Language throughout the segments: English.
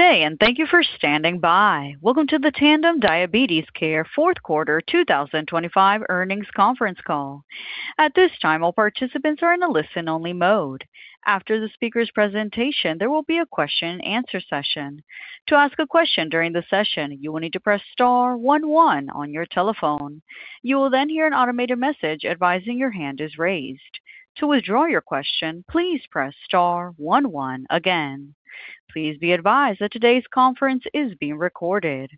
Good day, and thank you for standing by. Welcome to the Tandem Diabetes Care Fourth Quarter 2025 Earnings Conference Call. At this time, all participants are in a listen-only mode. After the speaker's presentation, there will be a question-and-answer session. To ask a question during the session, you will need to press star one one on your telephone. You will then hear an automated message advising your hand is raised. To withdraw your question, please press star one one again. Please be advised that today's conference is being recorded.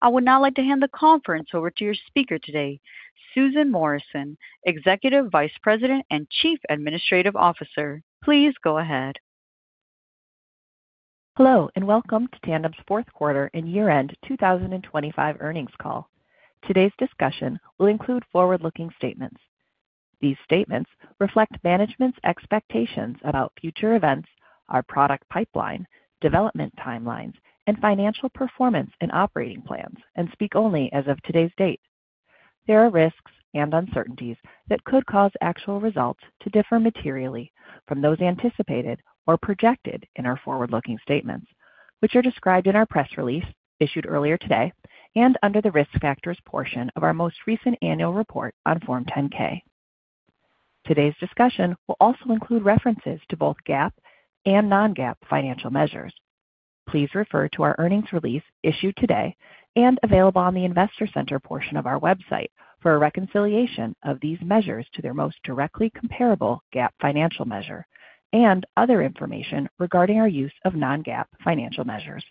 I would now like to hand the conference over to your speaker today, Susan Morrison, Executive Vice President and Chief Administrative Officer. Please go ahead. Hello, and welcome to Tandem's fourth quarter and year-end 2025 earnings call. Today's discussion will include forward-looking statements. These statements reflect management's expectations about future events, our product pipeline, development timelines, and financial performance and operating plans, and speak only as of today's date. There are risks and uncertainties that could cause actual results to differ materially from those anticipated or projected in our forward-looking statements, which are described in our press release, issued earlier today, and under the Risk Factors portion of our most recent annual report on Form 10-K. Today's discussion will also include references to both GAAP and non-GAAP financial measures. Please refer to our earnings release issued today and available on the Investor Center portion of our website for a reconciliation of these measures to their most directly comparable GAAP financial measure and other information regarding our use of non-GAAP financial measures.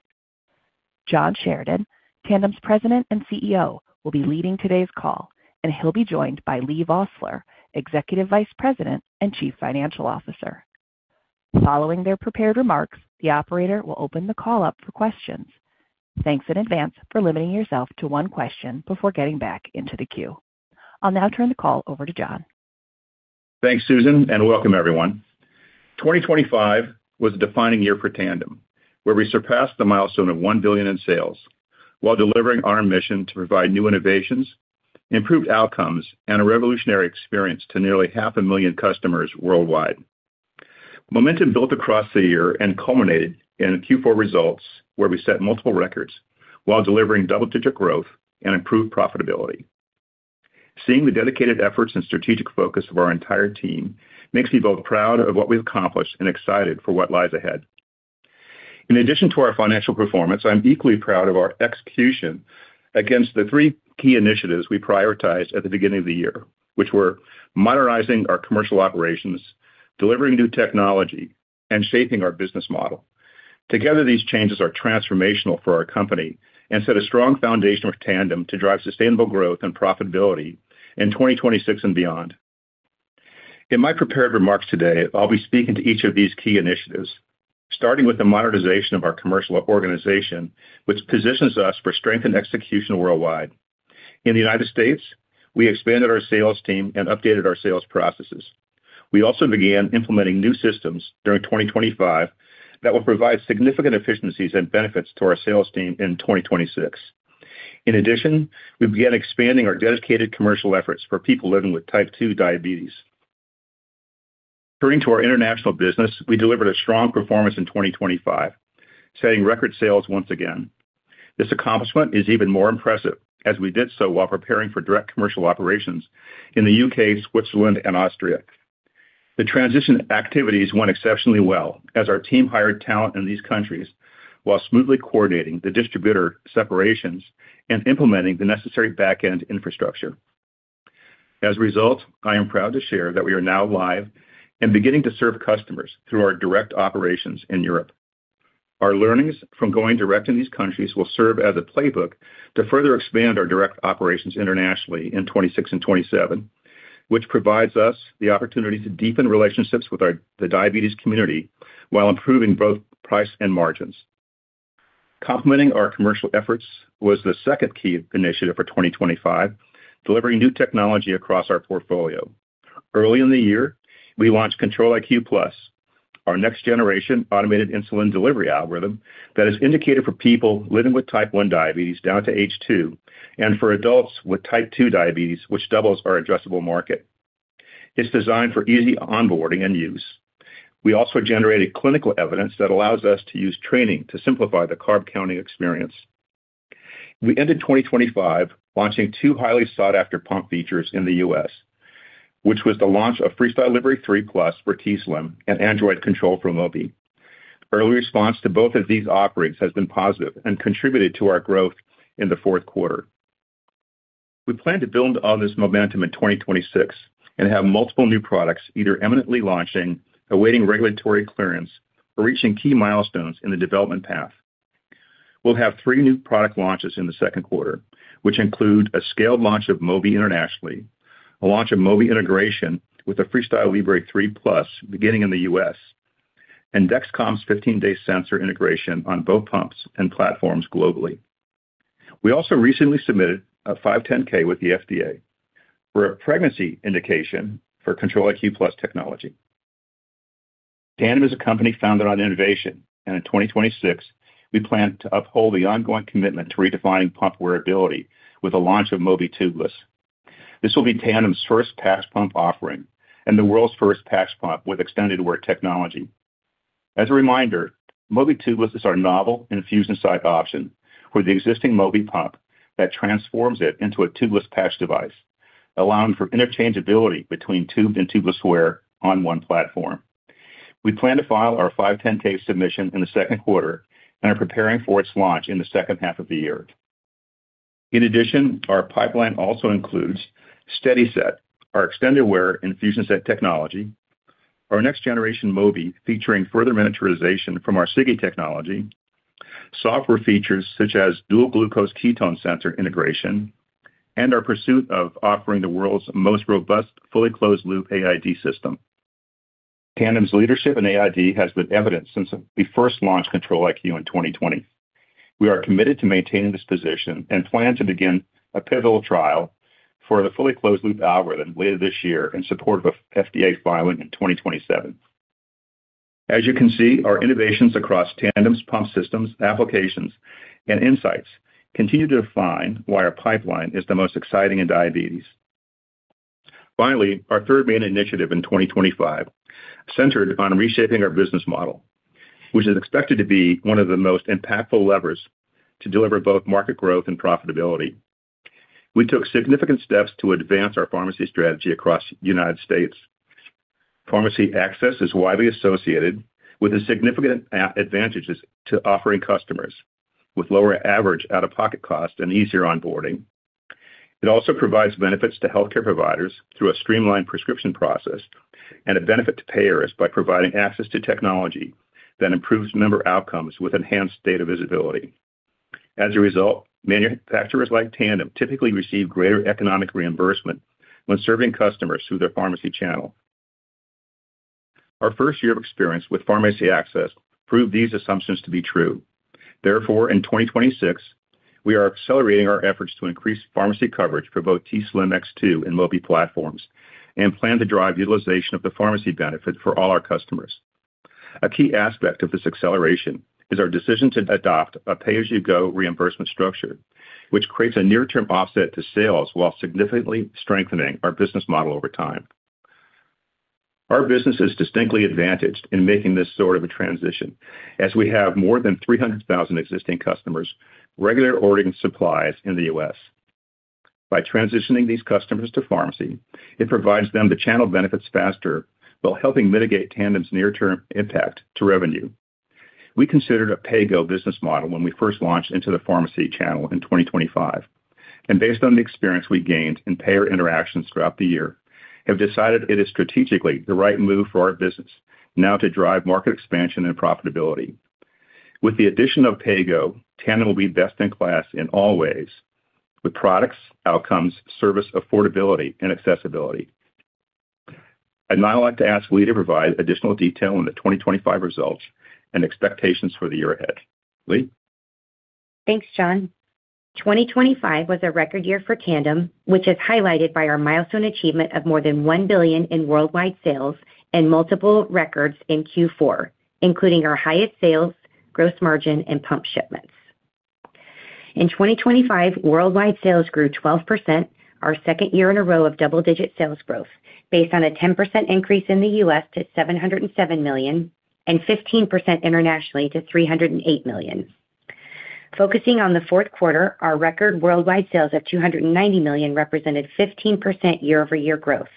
John Sheridan, Tandem's President and CEO, will be leading today's call, and he'll be joined by Leigh Vosseller, Executive Vice President and Chief Financial Officer. Following their prepared remarks, the operator will open the call up for questions. Thanks in advance for limiting yourself to one question before getting back into the queue. I'll now turn the call over to John. Thanks, Susan, and welcome everyone. 2025 was a defining year for Tandem, where we surpassed the milestone of $1 billion in sales while delivering our mission to provide new innovations, improved outcomes, and a revolutionary experience to nearly 500,000 customers worldwide. Momentum built across the year and culminated in the Q4 results, where we set multiple records while delivering double-digit growth and improved profitability. Seeing the dedicated efforts and strategic focus of our entire team makes me both proud of what we've accomplished and excited for what lies ahead. In addition to our financial performance, I'm equally proud of our execution against the three key initiatives we prioritized at the beginning of the year, which were modernizing our commercial operations, delivering new technology, and shaping our business model. Together, these changes are transformational for our company and set a strong foundation for Tandem to drive sustainable growth and profitability in 2026 and beyond. In my prepared remarks today, I'll be speaking to each of these key initiatives, starting with the modernization of our commercial organization, which positions us for strengthened execution worldwide. In the United States, we expanded our sales team and updated our sales processes. We also began implementing new systems during 2025 that will provide significant efficiencies and benefits to our sales team in 2026. In addition, we began expanding our dedicated commercial efforts for people living with type 2 diabetes. Turning to our international business, we delivered a strong performance in 2025, setting record sales once again. This accomplishment is even more impressive as we did so while preparing for direct commercial operations in the U.K., Switzerland, and Austria. The transition activities went exceptionally well as our team hired talent in these countries while smoothly coordinating the distributor separations and implementing the necessary back-end infrastructure. As a result, I am proud to share that we are now live and beginning to serve customers through our direct operations in Europe. Our learnings from going direct in these countries will serve as a playbook to further expand our direct operations internationally in 2026 and 2027, which provides us the opportunity to deepen relationships with the diabetes community while improving both price and margins. Complementing our commercial efforts was the second key initiative for 2025, delivering new technology across our portfolio. Early in the year, we launched Control-IQ+, our next generation automated insulin delivery algorithm that is indicated for people living with type 1 diabetes down to age two, and for adults with type 2 diabetes, which doubles our addressable market. It's designed for easy onboarding and use. We also generated clinical evidence that allows us to use training to simplify the carb counting experience. We ended 2025 launching two highly sought-after pump features in the U.S., which was the launch of FreeStyle Libre 3 Plus for t:slim and Android control for Mobi. Early response to both of these offerings has been positive and contributed to our growth in the fourth quarter. We plan to build on this momentum in 2026 and have multiple new products either imminently launching, awaiting regulatory clearance, or reaching key milestones in the development path. We'll have three new product launches in the second quarter, which include a scaled launch of Mobi internationally, a launch of Mobi integration with the FreeStyle Libre 3 Plus, beginning in the U.S., and Dexcom's 15-day sensor integration on both pumps and platforms globally. We also recently submitted a 510(k) with the FDA for a pregnancy indication for Control-IQ+ technology. Tandem is a company founded on innovation, and in 2026, we plan to uphold the ongoing commitment to redefining pump wearability with the launch of Mobi Tubeless. This will be Tandem's first patch pump offering and the world's first patch pump with extended wear technology. As a reminder, Mobi Tubeless is our novel infusion site option for the existing Mobi pump that transforms it into a tubeless patch device, allowing for interchangeability between tubed and tubeless wear on one platform. We plan to file our 510(k) submission in the second quarter and are preparing for its launch in the second half of the year. In addition, our pipeline also includes SteadiSet, our extended wear infusion set technology, our next generation Mobi, featuring further miniaturization from our Sigi technology, software features such as dual glucose ketone sensor integration, and our pursuit of offering the world's most robust, fully closed loop AID system. Tandem's leadership in AID has been evident since we first launched Control-IQ in 2020. We are committed to maintaining this position and plan to begin a pivotal trial for the fully closed loop algorithm later this year in support of FDA filing in 2027. As you can see, our innovations across Tandem's pump systems, applications, and insights continue to define why our pipeline is the most exciting in diabetes. Finally, our third main initiative in 2025 centered on reshaping our business model, which is expected to be one of the most impactful levers to deliver both market growth and profitability. We took significant steps to advance our pharmacy strategy across the United States. Pharmacy access is widely associated with the significant advantages to offering customers with lower average out-of-pocket costs and easier onboarding. It also provides benefits to healthcare providers through a streamlined prescription process and a benefit to payers by providing access to technology that improves member outcomes with enhanced data visibility. As a result, manufacturers like Tandem typically receive greater economic reimbursement when serving customers through pharmacy channel. Our first year of experience with pharmacy access proved these assumptions to be true. Therefore, in 2026, we are accelerating our efforts to increase pharmacy coverage for both t:slim X2 and Mobi platforms and plan to drive utilization of the pharmacy benefit for all our customers. A key aspect of this acceleration is our decision to adopt a pay-as-you-go reimbursement structure, which creates a near-term offset to sales while significantly strengthening our business model over time. Our business is distinctly advantaged in making this sort of a transition, as we have more than 300,000 existing customers regularly ordering supplies in the U.S. By transitioning these customers to pharmacy, it provides them the channel benefits faster while helping mitigate Tandem's near-term impact to revenue. We considered a PayGo business model when we first launched into pharmacy channel in 2025, and based on the experience we gained in payer interactions throughout the year, have decided it is strategically the right move for our business now to drive market expansion and profitability. With the addition of PayGo, Tandem will be best in class in all ways, with products, outcomes, service, affordability, and accessibility. I'd now like to ask Leigh to provide additional detail on the 2025 results and expectations for the year ahead. Leigh? Thanks, John. 2025 was a record year for Tandem, which is highlighted by our milestone achievement of more than $1 billion in worldwide sales and multiple records in Q4, including our highest sales, gross margin, and pump shipments. In 2025, worldwide sales grew 12%, our second year in a row of double-digit sales growth, based on a 10% increase in the U.S. to $707 million and 15% internationally to $308 million. Focusing on the fourth quarter, our record worldwide sales of $290 million represented 15% year-over-year growth.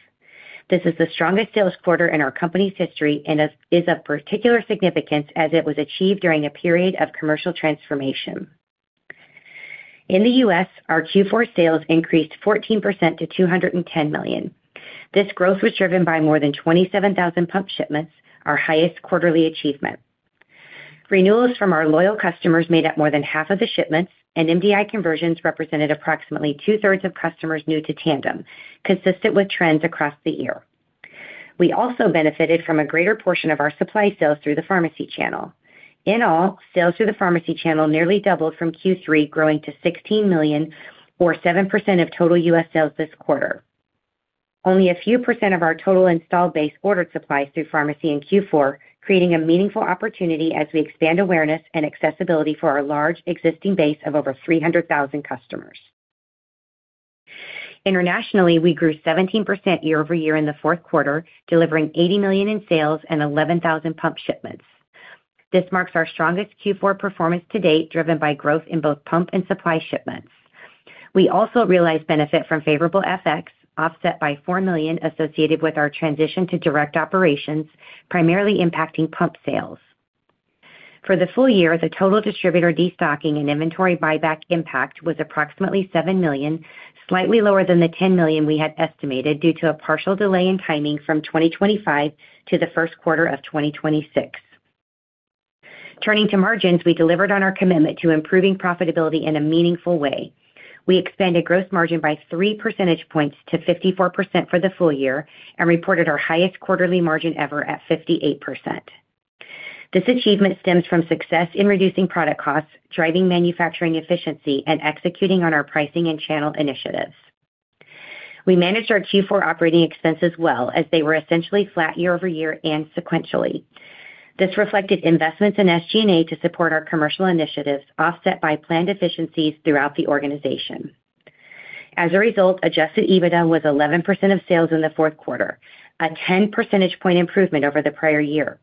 This is the strongest sales quarter in our company's history and is of particular significance as it was achieved during a period of commercial transformation. In the U.S., our Q4 sales increased 14% to $210 million. This growth was driven by more than 27,000 pump shipments, our highest quarterly achievement. Renewals from our loyal customers made up more than half of the shipments, and MDI conversions represented approximately 2/3 of customers new to Tandem, consistent with trends across the year. We also benefited from a greater portion of our supply sales through pharmacy channel. In all, sales through pharmacy channel nearly doubled from Q3, growing to $16 million or 7% of total U.S. sales this quarter. Only a few percent of our total installed base ordered supplies through pharmacy in Q4, creating a meaningful opportunity as we expand awareness and accessibility for our large existing base of over 300,000 customers. Internationally, we grew 17% year-over-year in the fourth quarter, delivering $80 million in sales and 11,000 pump shipments. This marks our strongest Q4 performance to date, driven by growth in both pump and supply shipments. We also realized benefit from favorable FX, offset by $4 million associated with our transition to direct operations, primarily impacting pump sales. For the full year, the total distributor destocking and inventory buyback impact was approximately $7 million, slightly lower than the $10 million we had estimated, due to a partial delay in timing from 2025 to the first quarter of 2026. Turning to margins, we delivered on our commitment to improving profitability in a meaningful way. We expanded gross margin by 3 percentage points to 54% for the full year and reported our highest quarterly margin ever at 58%. This achievement stems from success in reducing product costs, driving manufacturing efficiency, and executing on our pricing and channel initiatives. We managed our Q4 operating expenses well, as they were essentially flat year-over-year and sequentially. This reflected investments in SG&A to support our commercial initiatives, offset by planned efficiencies throughout the organization. As a result, adjusted EBITDA was 11% of sales in the fourth quarter, a 10 percentage point improvement over the prior year.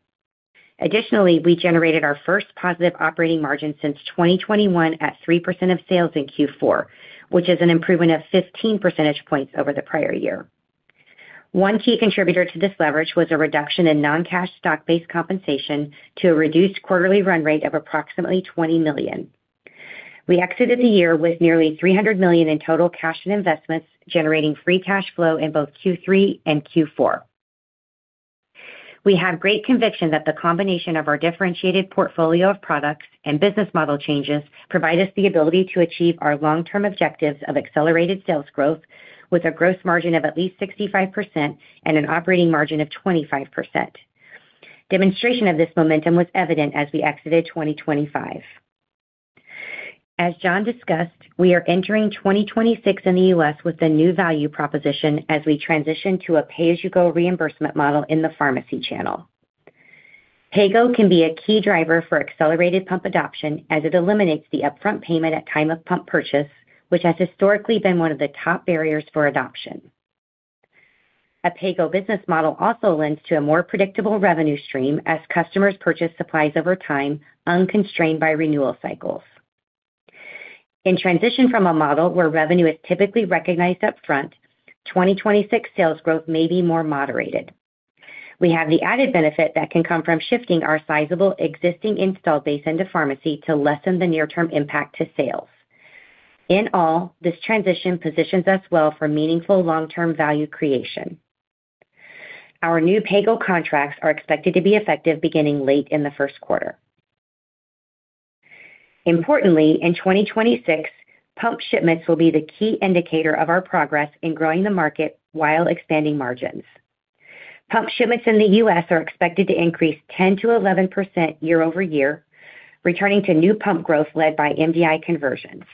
Additionally, we generated our first positive operating margin since 2021 at 3% of sales in Q4, which is an improvement of 15 percentage points over the prior year. One key contributor to this leverage was a reduction in non-cash stock-based compensation to a reduced quarterly run rate of approximately $20 million. We exited the year with nearly $300 million in total cash and investments, generating free cash flow in both Q3 and Q4. We have great conviction that the combination of our differentiated portfolio of products and business model changes provide us the ability to achieve our long-term objectives of accelerated sales growth, with a gross margin of at least 65% and an operating margin of 25%. Demonstration of this momentum was evident as we exited 2025. As John discussed, we are entering 2026 in the U.S. with a new value proposition as we transition to a pay-as-you-go reimbursement model in pharmacy channel. PayGo can be a key driver for accelerated pump adoption as it eliminates the upfront payment at time of pump purchase, which has historically been one of the top barriers for adoption. A PayGo business model also lends to a more predictable revenue stream as customers purchase supplies over time, unconstrained by renewal cycles. In transition from a model where revenue is typically recognized upfront, 2026 sales growth may be more moderated. We have the added benefit that can come from shifting our sizable existing installed base into pharmacy to lessen the near-term impact to sales. In all, this transition positions us well for meaningful long-term value creation. Our new PayGo contracts are expected to be effective beginning late in the first quarter. Importantly, in 2026, pump shipments will be the key indicator of our progress in growing the market while expanding margins. Pump shipments in the U.S. are expected to increase 10%-11% year-over-year, returning to new pump growth led by MDI conversions.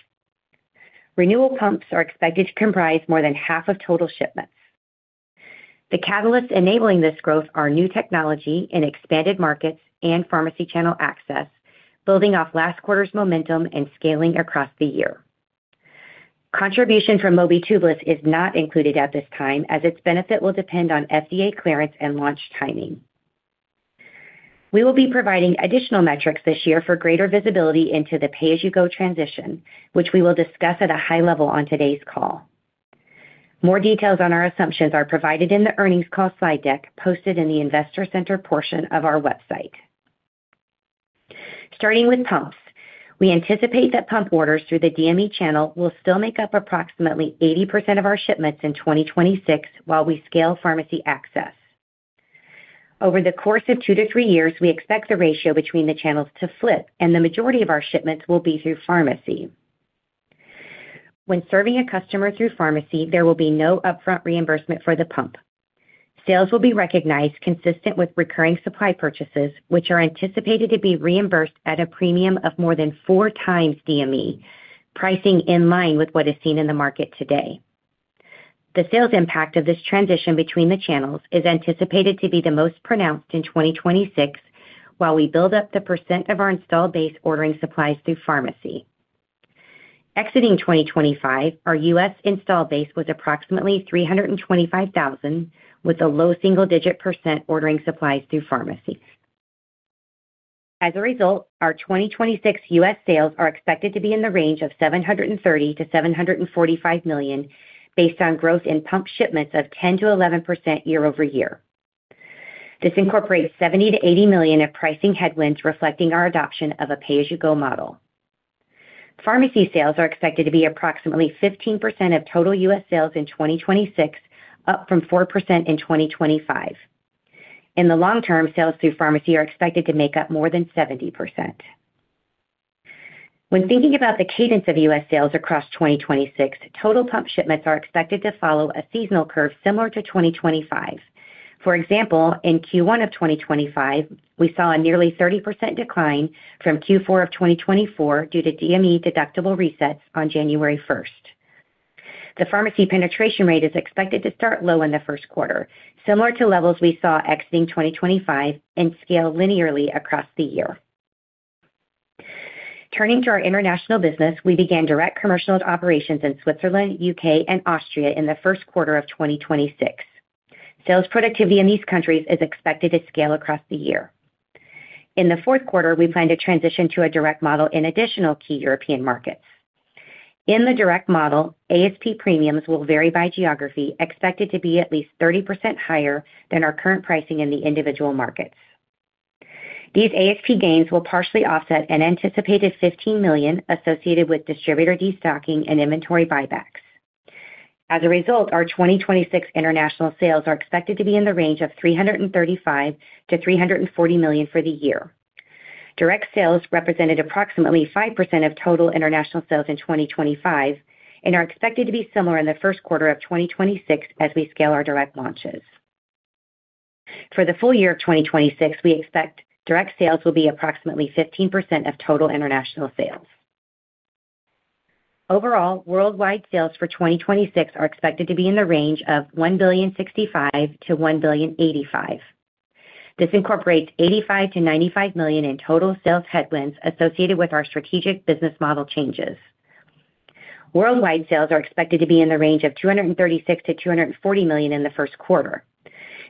Renewal pumps are expected to comprise more than half of total shipments. The catalysts enabling this growth are new technology in expanded markets pharmacy channel access, building off last quarter's momentum and scaling across the year. Contribution from Mobi Tubeless is not included at this time, as its benefit will depend on FDA clearance and launch timing. We will be providing additional metrics this year for greater visibility into the pay-as-you-go transition, which we will discuss at a high level on today's call. More details on our assumptions are provided in the earnings call slide deck posted in the investor center portion of our website. Starting with pumps, we anticipate that pump orders through the DME channel will still make up approximately 80% of our shipments in 2026, while we scale pharmacy access. Over the course of two-three years, we expect the ratio between the channels to flip, and the majority of our shipments will be through pharmacy. When serving a customer through pharmacy, there will be no upfront reimbursement for the pump. Sales will be recognized consistent with recurring supply purchases, which are anticipated to be reimbursed at a premium of more than 4x DME, pricing in line with what is seen in the market today. The sales impact of this transition between the channels is anticipated to be the most pronounced in 2026, while we build up the percent of our installed base ordering supplies through pharmacy. Exiting 2025, our U.S. installed base was approximately 325,000, with a low single-digit percent ordering supplies through pharmacy. As a result, our 2026 U.S. sales are expected to be in the range of $730 million-$745 million, based on growth in pump shipments of 10%-11% year-over-year. This incorporates $70 million-$80 million of pricing headwinds, reflecting our adoption of a pay-as-you-go model. Pharmacy sales are expected to be approximately 15% of total U.S. sales in 2026, up from 4% in 2025. In the long term, sales through pharmacy are expected to make up more than 70%. When thinking about the cadence of U.S. sales across 2026, total pump shipments are expected to follow a seasonal curve similar to 2025. For example, in Q1 of 2025, we saw a nearly 30% decline from Q4 of 2024 due to DME deductible resets on January 1st. The pharmacy penetration rate is expected to start low in the first quarter, similar to levels we saw exiting 2025 and scale linearly across the year. Turning to our international business, we began direct commercial operations in Switzerland, U.K., and Austria in the first quarter of 2026. Sales productivity in these countries is expected to scale across the year. In the fourth quarter, we plan to transition to a direct model in additional key European markets. In the direct model, ASP premiums will vary by geography, expected to be at least 30% higher than our current pricing in the individual markets. These ASP gains will partially offset an anticipated $15 million associated with distributor destocking and inventory buybacks. As a result, our 2026 international sales are expected to be in the range of $335 million-$340 million for the year. Direct sales represented approximately 5% of total international sales in 2025 and are expected to be similar in the first quarter of 2026 as we scale our direct launches. For the full year of 2026, we expect direct sales will be approximately 15% of total international sales. Overall, worldwide sales for 2026 are expected to be in the range of $1.065 billion-$1.085 billion. This incorporates $85 million-$95 million in total sales headwinds associated with our strategic business model changes. Worldwide sales are expected to be in the range of $236 million-$240 million in the first quarter.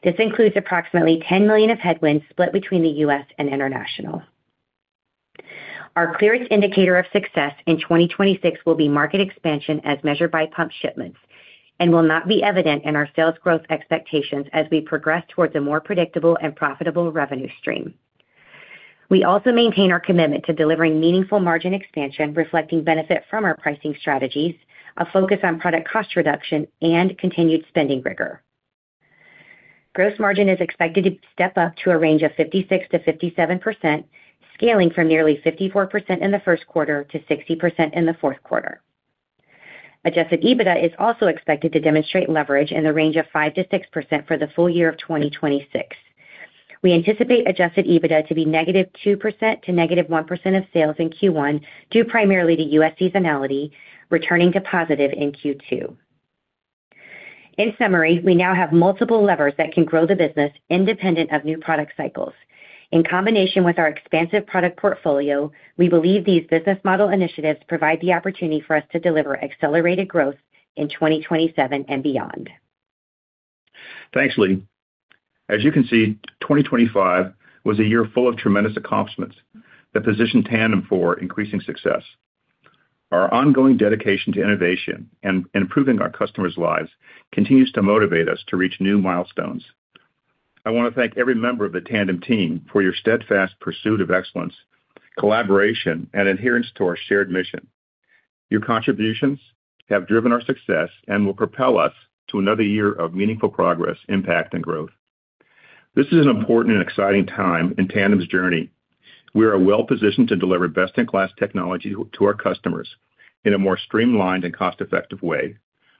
This includes approximately $10 million of headwinds split between the U.S. and international. Our clearest indicator of success in 2026 will be market expansion as measured by pump shipments and will not be evident in our sales growth expectations as we progress towards a more predictable and profitable revenue stream. We also maintain our commitment to delivering meaningful margin expansion, reflecting benefit from our pricing strategies, a focus on product cost reduction, and continued spending rigor. Gross margin is expected to step up to a range of 56%-57%, scaling from nearly 54% in the first quarter to 60% in the fourth quarter. Adjusted EBITDA is also expected to demonstrate leverage in the range of 5%-6% for the full year of 2026. We anticipate adjusted EBITDA to be -2% to -1% of sales in Q1, due primarily to U.S. seasonality, returning to positive in Q2. In summary, we now have multiple levers that can grow the business independent of new product cycles. In combination with our expansive product portfolio, we believe these business model initiatives provide the opportunity for us to deliver accelerated growth in 2027 and beyond. Thanks, Leigh. As you can see, 2025 was a year full of tremendous accomplishments that positioned Tandem for increasing success. Our ongoing dedication to innovation and improving our customers' lives continues to motivate us to reach new milestones. I want to thank every member of the Tandem team for your steadfast pursuit of excellence, collaboration, and adherence to our shared mission. Your contributions have driven our success and will propel us to another year of meaningful progress, impact, and growth. This is an important and exciting time in Tandem's journey. We are well-positioned to deliver best-in-class technology to our customers in a more streamlined and cost-effective way,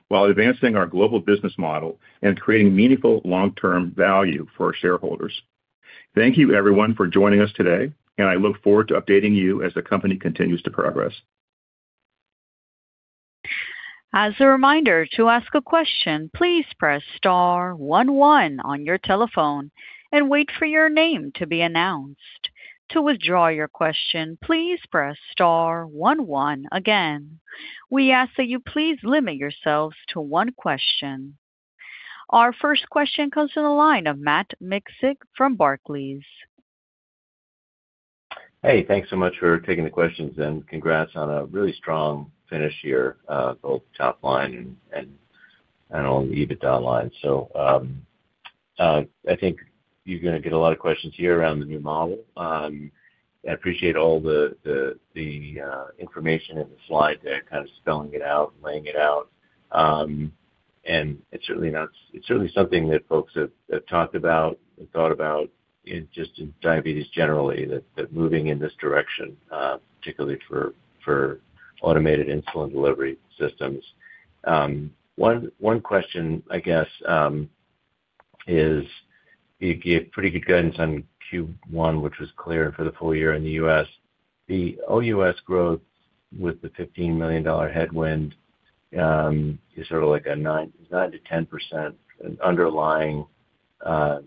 while advancing our global business model and creating meaningful long-term value for our shareholders. Thank you, everyone, for joining us today, and I look forward to updating you as the company continues to progress. As a reminder, to ask a question, please press star one one on your telephone and wait for your name to be announced. To withdraw your question, please press star one one again. We ask that you please limit yourselves to one question. Our first question comes from the line of Matt Miksic from Barclays. Hey, thanks so much for taking the questions, and congrats on a really strong finish here, both top line and on EBITDA line. So, I think you're gonna get a lot of questions here around the new model. I appreciate all the information in the slide there, kind of spelling it out and laying it out. And it's certainly not-- It's certainly something that folks have talked about and thought about in just diabetes generally, that moving in this direction, particularly for automated insulin delivery systems. One question I guess is you gave pretty good guidance on Q1, which was clear for the full year in the U.S. The OUS growth with the $15 million headwind is sort of like a 9%-10% underlying.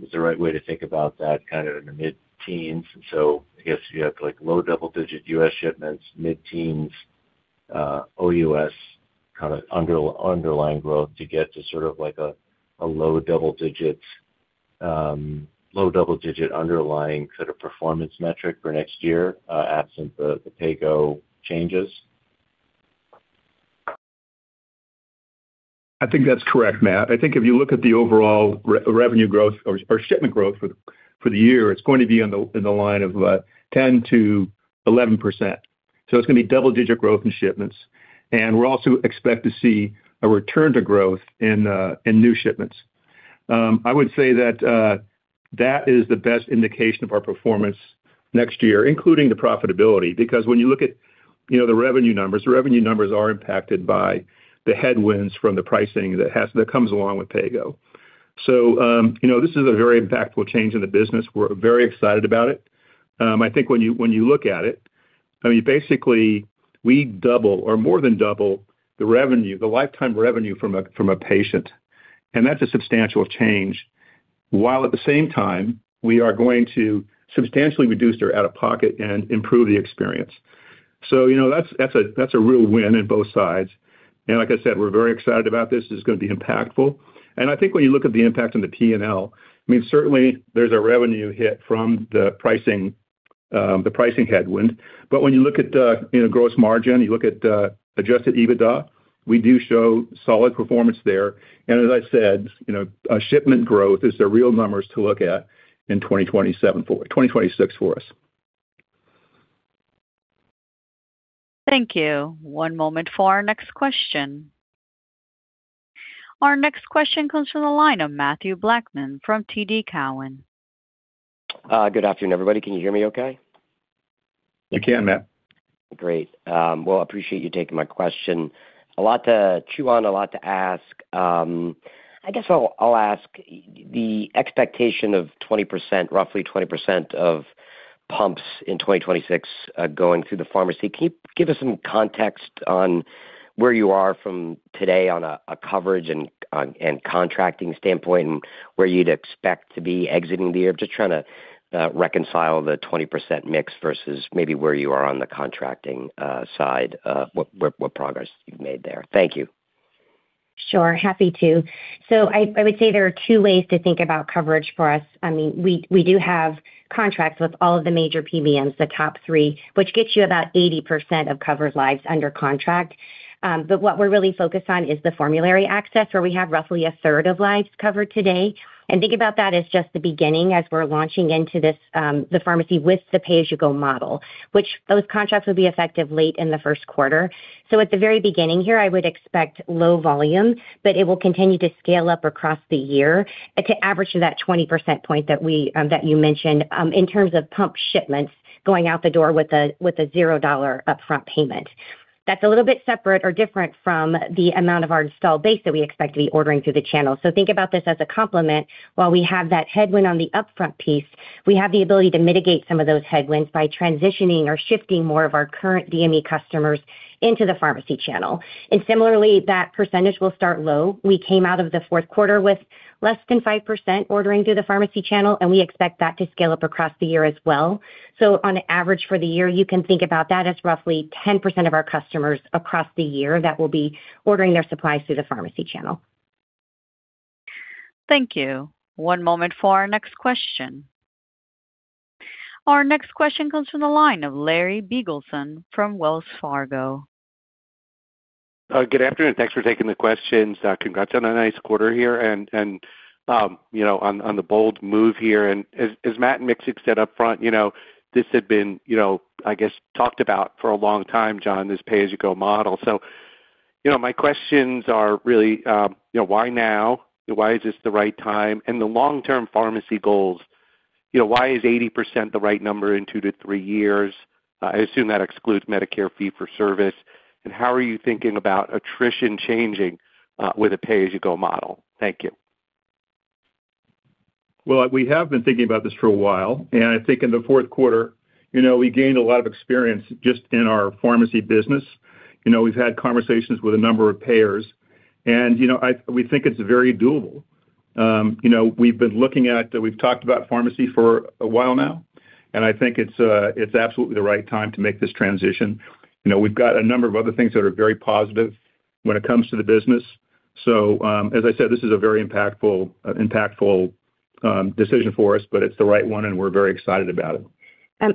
Is the right way to think about that kind of in the mid-teens? So I guess you have, like, low double digit U.S. shipments, mid-teens, OUS, kind of underlying growth to get to sort of like a, a low double digit, low double digit underlying sort of performance metric for next year, absent the PayGo changes? I think that's correct, Matt. I think if you look at the overall revenue growth or shipment growth for the year, it's going to be in the line of 10%-11%. It's going to be double-digit growth in shipments, and we also expect to see a return to growth in new shipments. I would say that is the best indication of our performance next year, including the profitability, because when you look at, you know, the revenue numbers, the revenue numbers are impacted by the headwinds from the pricing that comes along with PayGo. You know, this is a very impactful change in the business. We're very excited about it. I think when you look at it, I mean, basically we double or more than double the revenue, the lifetime revenue from a patient, and that's a substantial change. While at the same time, we are going to substantially reduce their out-of-pocket and improve the experience. So you know, that's a real win in both sides. And like I said, we're very excited about this. This is going to be impactful. And I think when you look at the impact on the P&L, I mean, certainly there's a revenue hit from the pricing, the pricing headwind. But when you look at the, you know, gross margin, you look at the adjusted EBITDA, we do show solid performance there. And as I said, you know, shipment growth is the real numbers to look at in 2027 for— 2026 for us. Thank you. One moment for our next question. Our next question comes from the line of Mathew Blackman from TD Cowen. Good afternoon, everybody. Can you hear me okay? We can, Matt. Great. Well, I appreciate you taking my question. A lot to chew on, a lot to ask. I guess I'll ask the expectation of 20%, roughly 20% of pumps in 2026, going through the pharmacy. Can you give us some context on where you are from today on a coverage and contracting standpoint, and where you'd expect to be exiting the year? Just trying to reconcile the 20% mix versus maybe where you are on the contracting side, what progress you've made there. Thank you. Sure. Happy to. So I, I would say there are two ways to think about coverage for us. I mean, we, we do have contracts with all of the major PBMs, the top three, which gets you about 80% of covered lives under contract. But what we're really focused on is the formulary access, where we have roughly 1/3 of lives covered today. And think about that as just the beginning as we're launching into this, the pharmacy with the pay-as-you-go model, which those contracts will be effective late in the first quarter. So at the very beginning here, I would expect low volume, but it will continue to scale up across the year to average to that 20% point that we, that you mentioned, in terms of pump shipments going out the door with a, with a $0 upfront payment. That's a little bit separate or different from the amount of our installed base that we expect to be ordering through the channel. So think about this as a complement. While we have that headwind on the upfront piece, we have the ability to mitigate some of those headwinds by transitioning or shifting more of our current DME customers into pharmacy channel. And similarly, that percentage will start low. We came out of the fourth quarter with less than 5% ordering through pharmacy channel, and we expect that to scale up across the year as well. So on average for the year, you can think about that as roughly 10% of our customers across the year that will be ordering their supplies through the pharmacy channel. Thank you. One moment for our next question. Our next question comes from the line of Larry Biegelsen from Wells Fargo. Good afternoon. Thanks for taking the questions. Congrats on a nice quarter here and you know, on the bold move here. As Matt Miksic said up front, you know, this had been, you know, I guess, talked about for a long time, John, this pay-as-you-go model. So, you know, my questions are really, you know, why now? Why is this the right time? And the long-term pharmacy goals, you know, why is 80% the right number in two to three years? I assume that excludes Medicare fee-for-service. And how are you thinking about attrition changing with a pay-as-you-go model? Thank you. Well, we have been thinking about this for a while, and I think in the fourth quarter, you know, we gained a lot of experience just in our pharmacy business. You know, we've had conversations with a number of payers, and, you know, we think it's very doable. You know, we've been looking at, we've talked about pharmacy for a while now, and I think it's, it's absolutely the right time to make this transition. You know, we've got a number of other things that are very positive when it comes to the business. So, as I said, this is a very impactful, impactful, decision for us, but it's the right one, and we're very excited about it.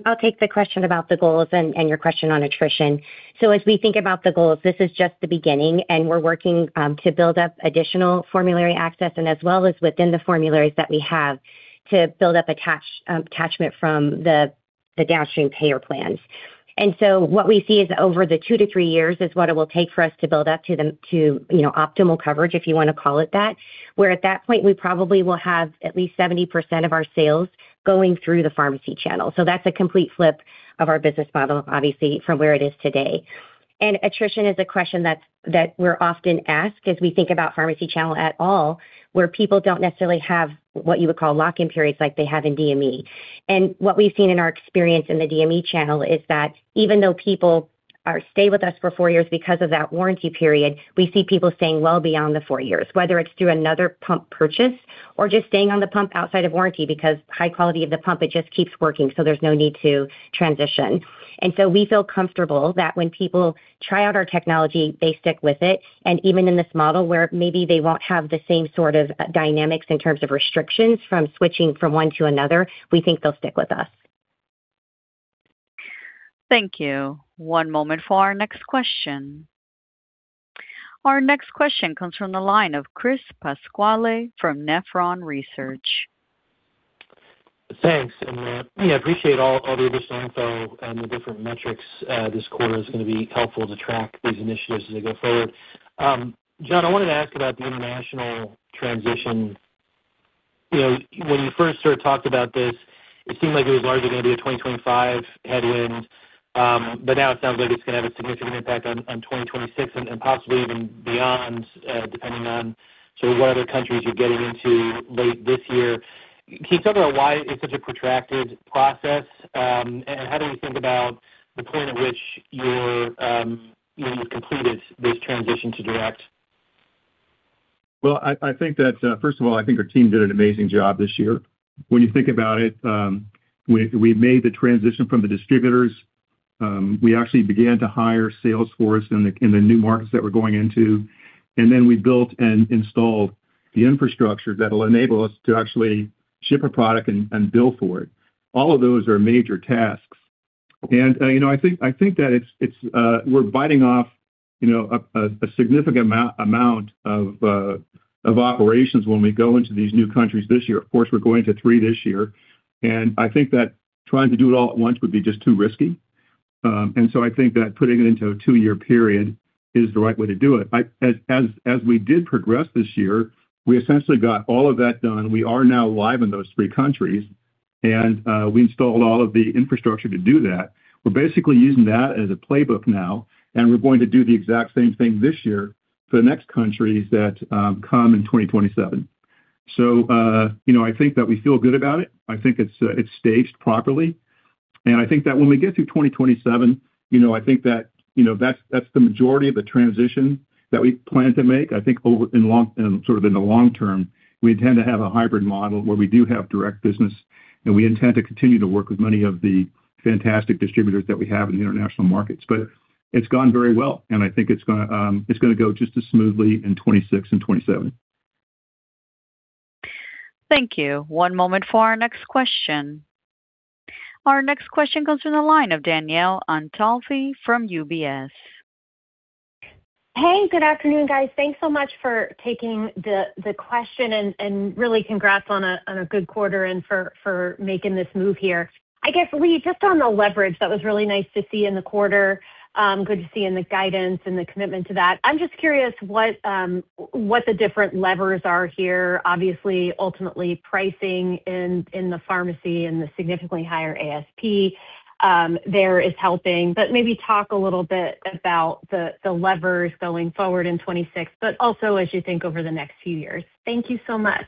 I'll take the question about the goals and your question on attrition. So as we think about the goals, this is just the beginning, and we're working to build up additional formulary access and as well as within the formularies that we have to build up attachment from the downstream payer plans. And so what we see is over the two-three years is what it will take for us to build up to the you know, optimal coverage, if you want to call it that, where at that point, we probably will have at least 70% of our sales going through pharmacy channel. So that's a complete flip of our business model, obviously, from where it is today. Attrition is a question that's that we're often asked as we think pharmacy channel at all, where people don't necessarily have what you would call lock-in periods like they have in DME. What we've seen in our experience in the DME channel is that even though people stay with us for four years because of that warranty period, we see people staying well beyond the four years, whether it's through another pump purchase or just staying on the pump outside of warranty, because high quality of the pump, it just keeps working, so there's no need to transition. We feel comfortable that when people try out our technology, they stick with it. Even in this model, where maybe they won't have the same sort of dynamics in terms of restrictions from switching from one to another, we think they'll stick with us. Thank you. One moment for our next question. Our next question comes from the line of Chris Pasquale from Nephron Research. Thanks, and yeah, I appreciate all the additional info on the different metrics. This quarter is going to be helpful to track these initiatives as they go forward. John, I wanted to ask about the international transition. You know, when you first sort of talked about this, it seemed like it was largely going to be a 2025 headwind, but now it sounds like it's going to have a significant impact on 2026 and possibly even beyond, depending on sort of what other countries you're getting into late this year. Can you talk about why it's such a protracted process, and how do you think about the point at which you're, you know, you've completed this transition to direct? Well, I think that, first of all, I think our team did an amazing job this year. When you think about it, we made the transition from the distributors, we actually began to hire sales force in the new markets that we're going into, and then we built and installed the infrastructure that will enable us to actually ship a product and bill for it. All of those are major tasks. You know, I think that it's, we're biting off, you know, a significant amount of operations when we go into these new countries this year. Of course, we're going to three this year, and I think that trying to do it all at once would be just too risky. I think that putting it into a two-year period is the right way to do it. As we did progress this year, we essentially got all of that done. We are now live in those three countries and we installed all of the infrastructure to do that. We're basically using that as a playbook now, and we're going to do the exact same thing this year for the next countries that come in 2027. You know, I think that we feel good about it. I think it's staged properly. I think that when we get through 2027, you know, that's the majority of the transition that we plan to make. I think sort of in the long term, we intend to have a hybrid model where we do have direct business, and we intend to continue to work with many of the fantastic distributors that we have in the international markets. But it's gone very well, and I think it's gonna go just as smoothly in 2026 and 2027. Thank you. One moment for our next question. Our next question comes from the line of Danielle Antalffy from UBS. Hey, good afternoon, guys. Thanks so much for taking the question, and really congrats on a good quarter and for making this move here. I guess, Leigh, just on the leverage, that was really nice to see in the quarter, good to see in the guidance and the commitment to that. I'm just curious what the different levers are here. Obviously, ultimately, pricing in the pharmacy and the significantly higher ASP there is helping, but maybe talk a little bit about the levers going forward in 2026, but also as you think over the next few years. Thank you so much.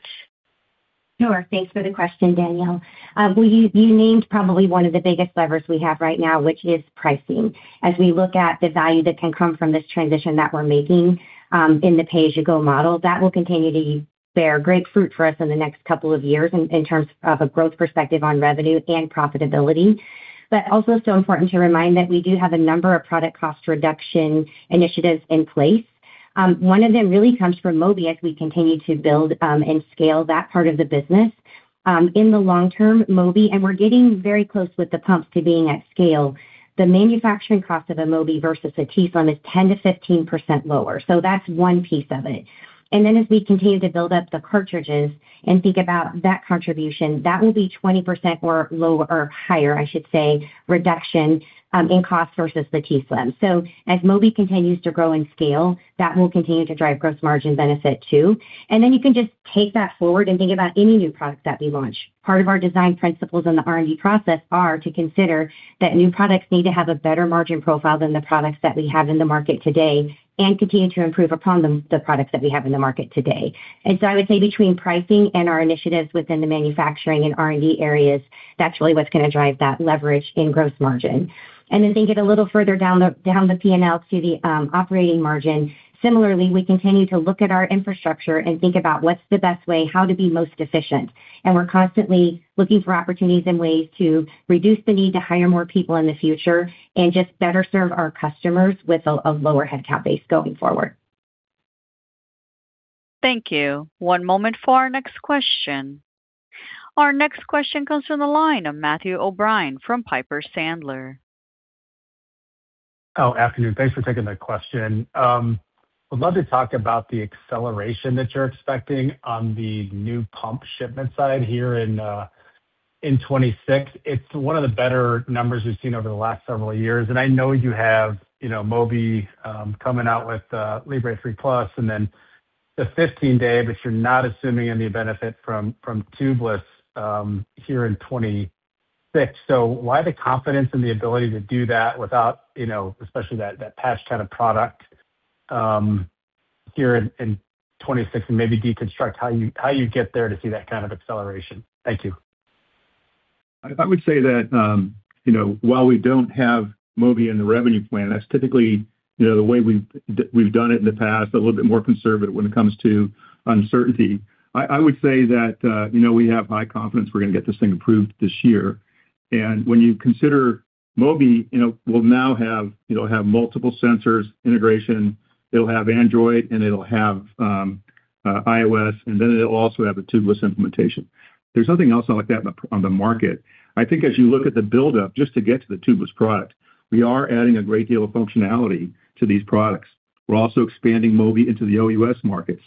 Sure. Thanks for the question, Danielle. Well, you named probably one of the biggest levers we have right now, which is pricing. As we look at the value that can come from this transition that we're making in the pay-as-you-go model, that will continue to bear great fruit for us in the next couple of years in terms of a growth perspective on revenue and profitability. But also so important to remind that we do have a number of product cost reduction initiatives in place. One of them really comes from Mobi, as we continue to build and scale that part of the business. In the long term, Mobi, and we're getting very close with the pumps to being at scale. The manufacturing cost of a Mobi versus a t:slim is 10%-15% lower, so that's one piece of it. And then as we continue to build up the cartridges and think about that contribution, that will be 20% or lower- or higher, I should say, reduction in cost versus the t:slim. So as Mobi continues to grow and scale, that will continue to drive gross margin benefit, too. And then you can just take that forward and think about any new products that we launch. Part of our design principles in the R&D process are to consider that new products need to have a better margin profile than the products that we have in the market today, and continue to improve upon the products that we have in the market today. And so I would say between pricing and our initiatives within the manufacturing and R&D areas, that's really what's gonna drive that leverage in gross margin. Then think it a little further down the P&L to the operating margin. Similarly, we continue to look at our infrastructure and think about what's the best way, how to be most efficient. We're constantly looking for opportunities and ways to reduce the need to hire more people in the future and just better serve our customers with a lower headcount base going forward. Thank you. One moment for our next question. Our next question comes from the line of Matthew O'Brien from Piper Sandler. Oh, afternoon. Thanks for taking my question. I'd love to talk about the acceleration that you're expecting on the new pump shipment side here in 2026. It's one of the better numbers we've seen over the last several years, and I know you have, you know, Mobi coming out with Libre 3 Plus and then the 15-day, but you're not assuming any benefit from tubeless here in 2026. So why the confidence and the ability to do that without, you know, especially that patch kind of product here in 2026, and maybe deconstruct how you get there to see that kind of acceleration? Thank you. I would say that, you know, while we don't have Mobi in the revenue plan, that's typically, you know, the way we've done it in the past, a little bit more conservative when it comes to uncertainty. I would say that, you know, we have high confidence we're gonna get this thing approved this year. And when you consider Mobi, you know, we'll now have multiple sensors, integration, it'll have Android, and it'll have iOS, and then it'll also have the tubeless implementation. There's nothing else like that on the market. I think as you look at the buildup, just to get to the tubeless product, we are adding a great deal of functionality to these products. We're also expanding Mobi into the OUS markets,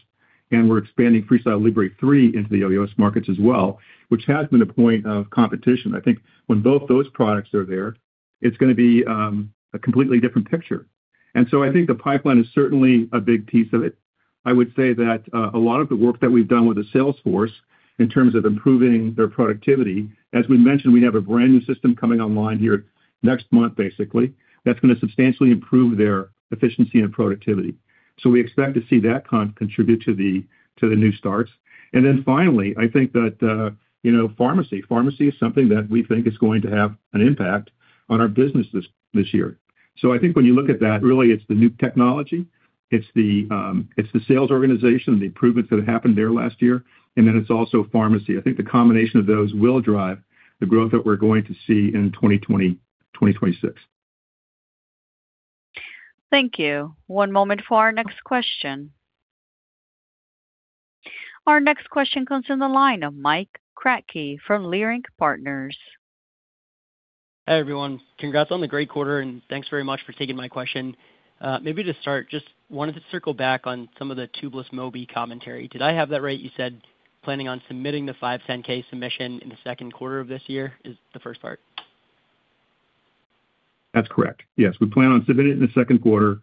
and we're expanding FreeStyle Libre 3 into the OUS markets as well, which has been a point of competition. I think when both those products are there, it's gonna be a completely different picture. And so I think the pipeline is certainly a big piece of it. I would say that a lot of the work that we've done with the sales force in terms of improving their productivity, as we mentioned, we have a brand-new system coming online here next month, basically, that's gonna substantially improve their efficiency and productivity. So we expect to see that contribute to the new starts. And then finally, I think that you know, pharmacy. Pharmacy is something that we think is going to have an impact on our business this year. So I think when you look at that, really, it's the new technology, it's the, it's the sales organization, the improvements that happened there last year, and then it's also pharmacy. I think the combination of those will drive the growth that we're going to see in 2020, 2026. Thank you. One moment for our next question. Our next question comes in the line of Mike Kratky from Leerink Partners. Hi, everyone. Congrats on the great quarter, and thanks very much for taking my question. Maybe to start, just wanted to circle back on some of the tubeless Mobi commentary. Did I have that right? You said, planning on submitting the 510(k) submission in the second quarter of this year, is the first part? That's correct. Yes, we plan on submitting it in the second quarter.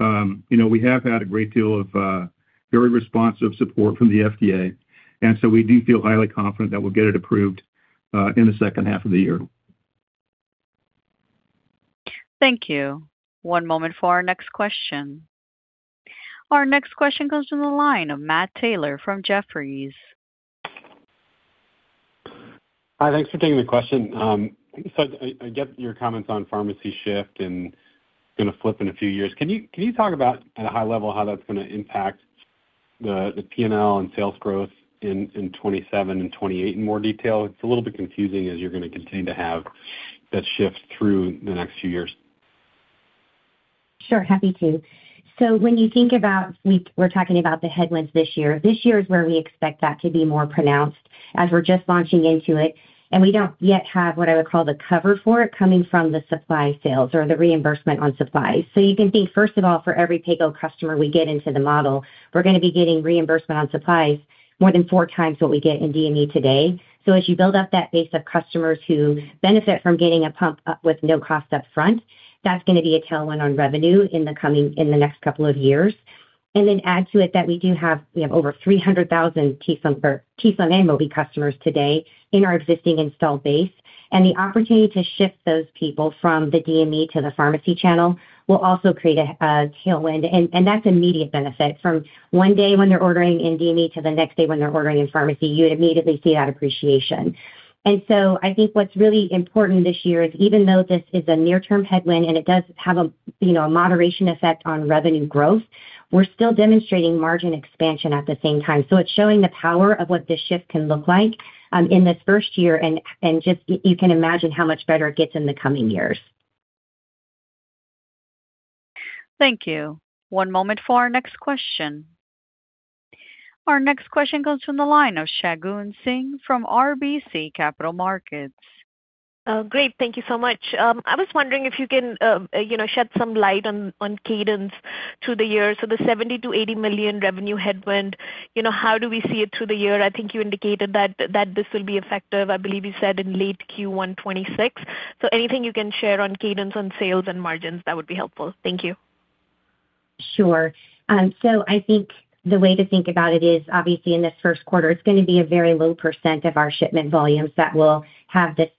You know, we have had a great deal of very responsive support from the FDA, and so we do feel highly confident that we'll get it approved in the second half of the year. Thank you. One moment for our next question. Our next question goes to the line of Matt Taylor from Jefferies. Hi, thanks for taking the question. So I get your comments on pharmacy shift, and it's gonna flip in a few years. Can you talk about, at a high level, how that's gonna impact the PNL and sales growth in 2027 and 2028 in more detail? It's a little bit confusing as you're gonna continue to have that shift through the next few years. Sure, happy to. So when you think about we're talking about the headwinds this year, this year is where we expect that to be more pronounced as we're just launching into it, and we don't yet have what I would call the cover for it coming from the supply sales or the reimbursement on supplies. So you can think, first of all, for every PayGo customer we get into the model, we're gonna be getting reimbursement on supplies more than 4x what we get in DME today. So as you build up that base of customers who benefit from getting a pump up with no cost up front, that's gonna be a tailwind on revenue in the coming, in the next couple of years. And then add to it that we do have, we have over 300,000 t:slim or t:slim and Mobi customers today in our existing installed base. And the opportunity to shift those people from the DME to pharmacy channel will also create a tailwind. And that's immediate benefit from one day when they're ordering in DME to the next day when they're ordering in pharmacy, you would immediately see that appreciation. And so I think what's really important this year is, even though this is a near-term headwind and it does have a, you know, a moderation effect on revenue growth, we're still demonstrating margin expansion at the same time. So it's showing the power of what this shift can look like in this first year, and just you can imagine how much better it gets in the coming years. Thank you. One moment for our next question. Our next question goes from the line of Shagun Singh from RBC Capital Markets. Great. Thank you so much. I was wondering if you can, you know, shed some light on cadence through the year. So the $70 million-$80 million revenue headwind, you know, how do we see it through the year? I think you indicated that this will be effective, I believe you said in late Q1 2026. So anything you can share on cadence on sales and margins, that would be helpful. Thank you. Sure. So I think the way to think about it is, obviously in this first quarter, it's gonna be a very low percent of our shipment volumes that will have this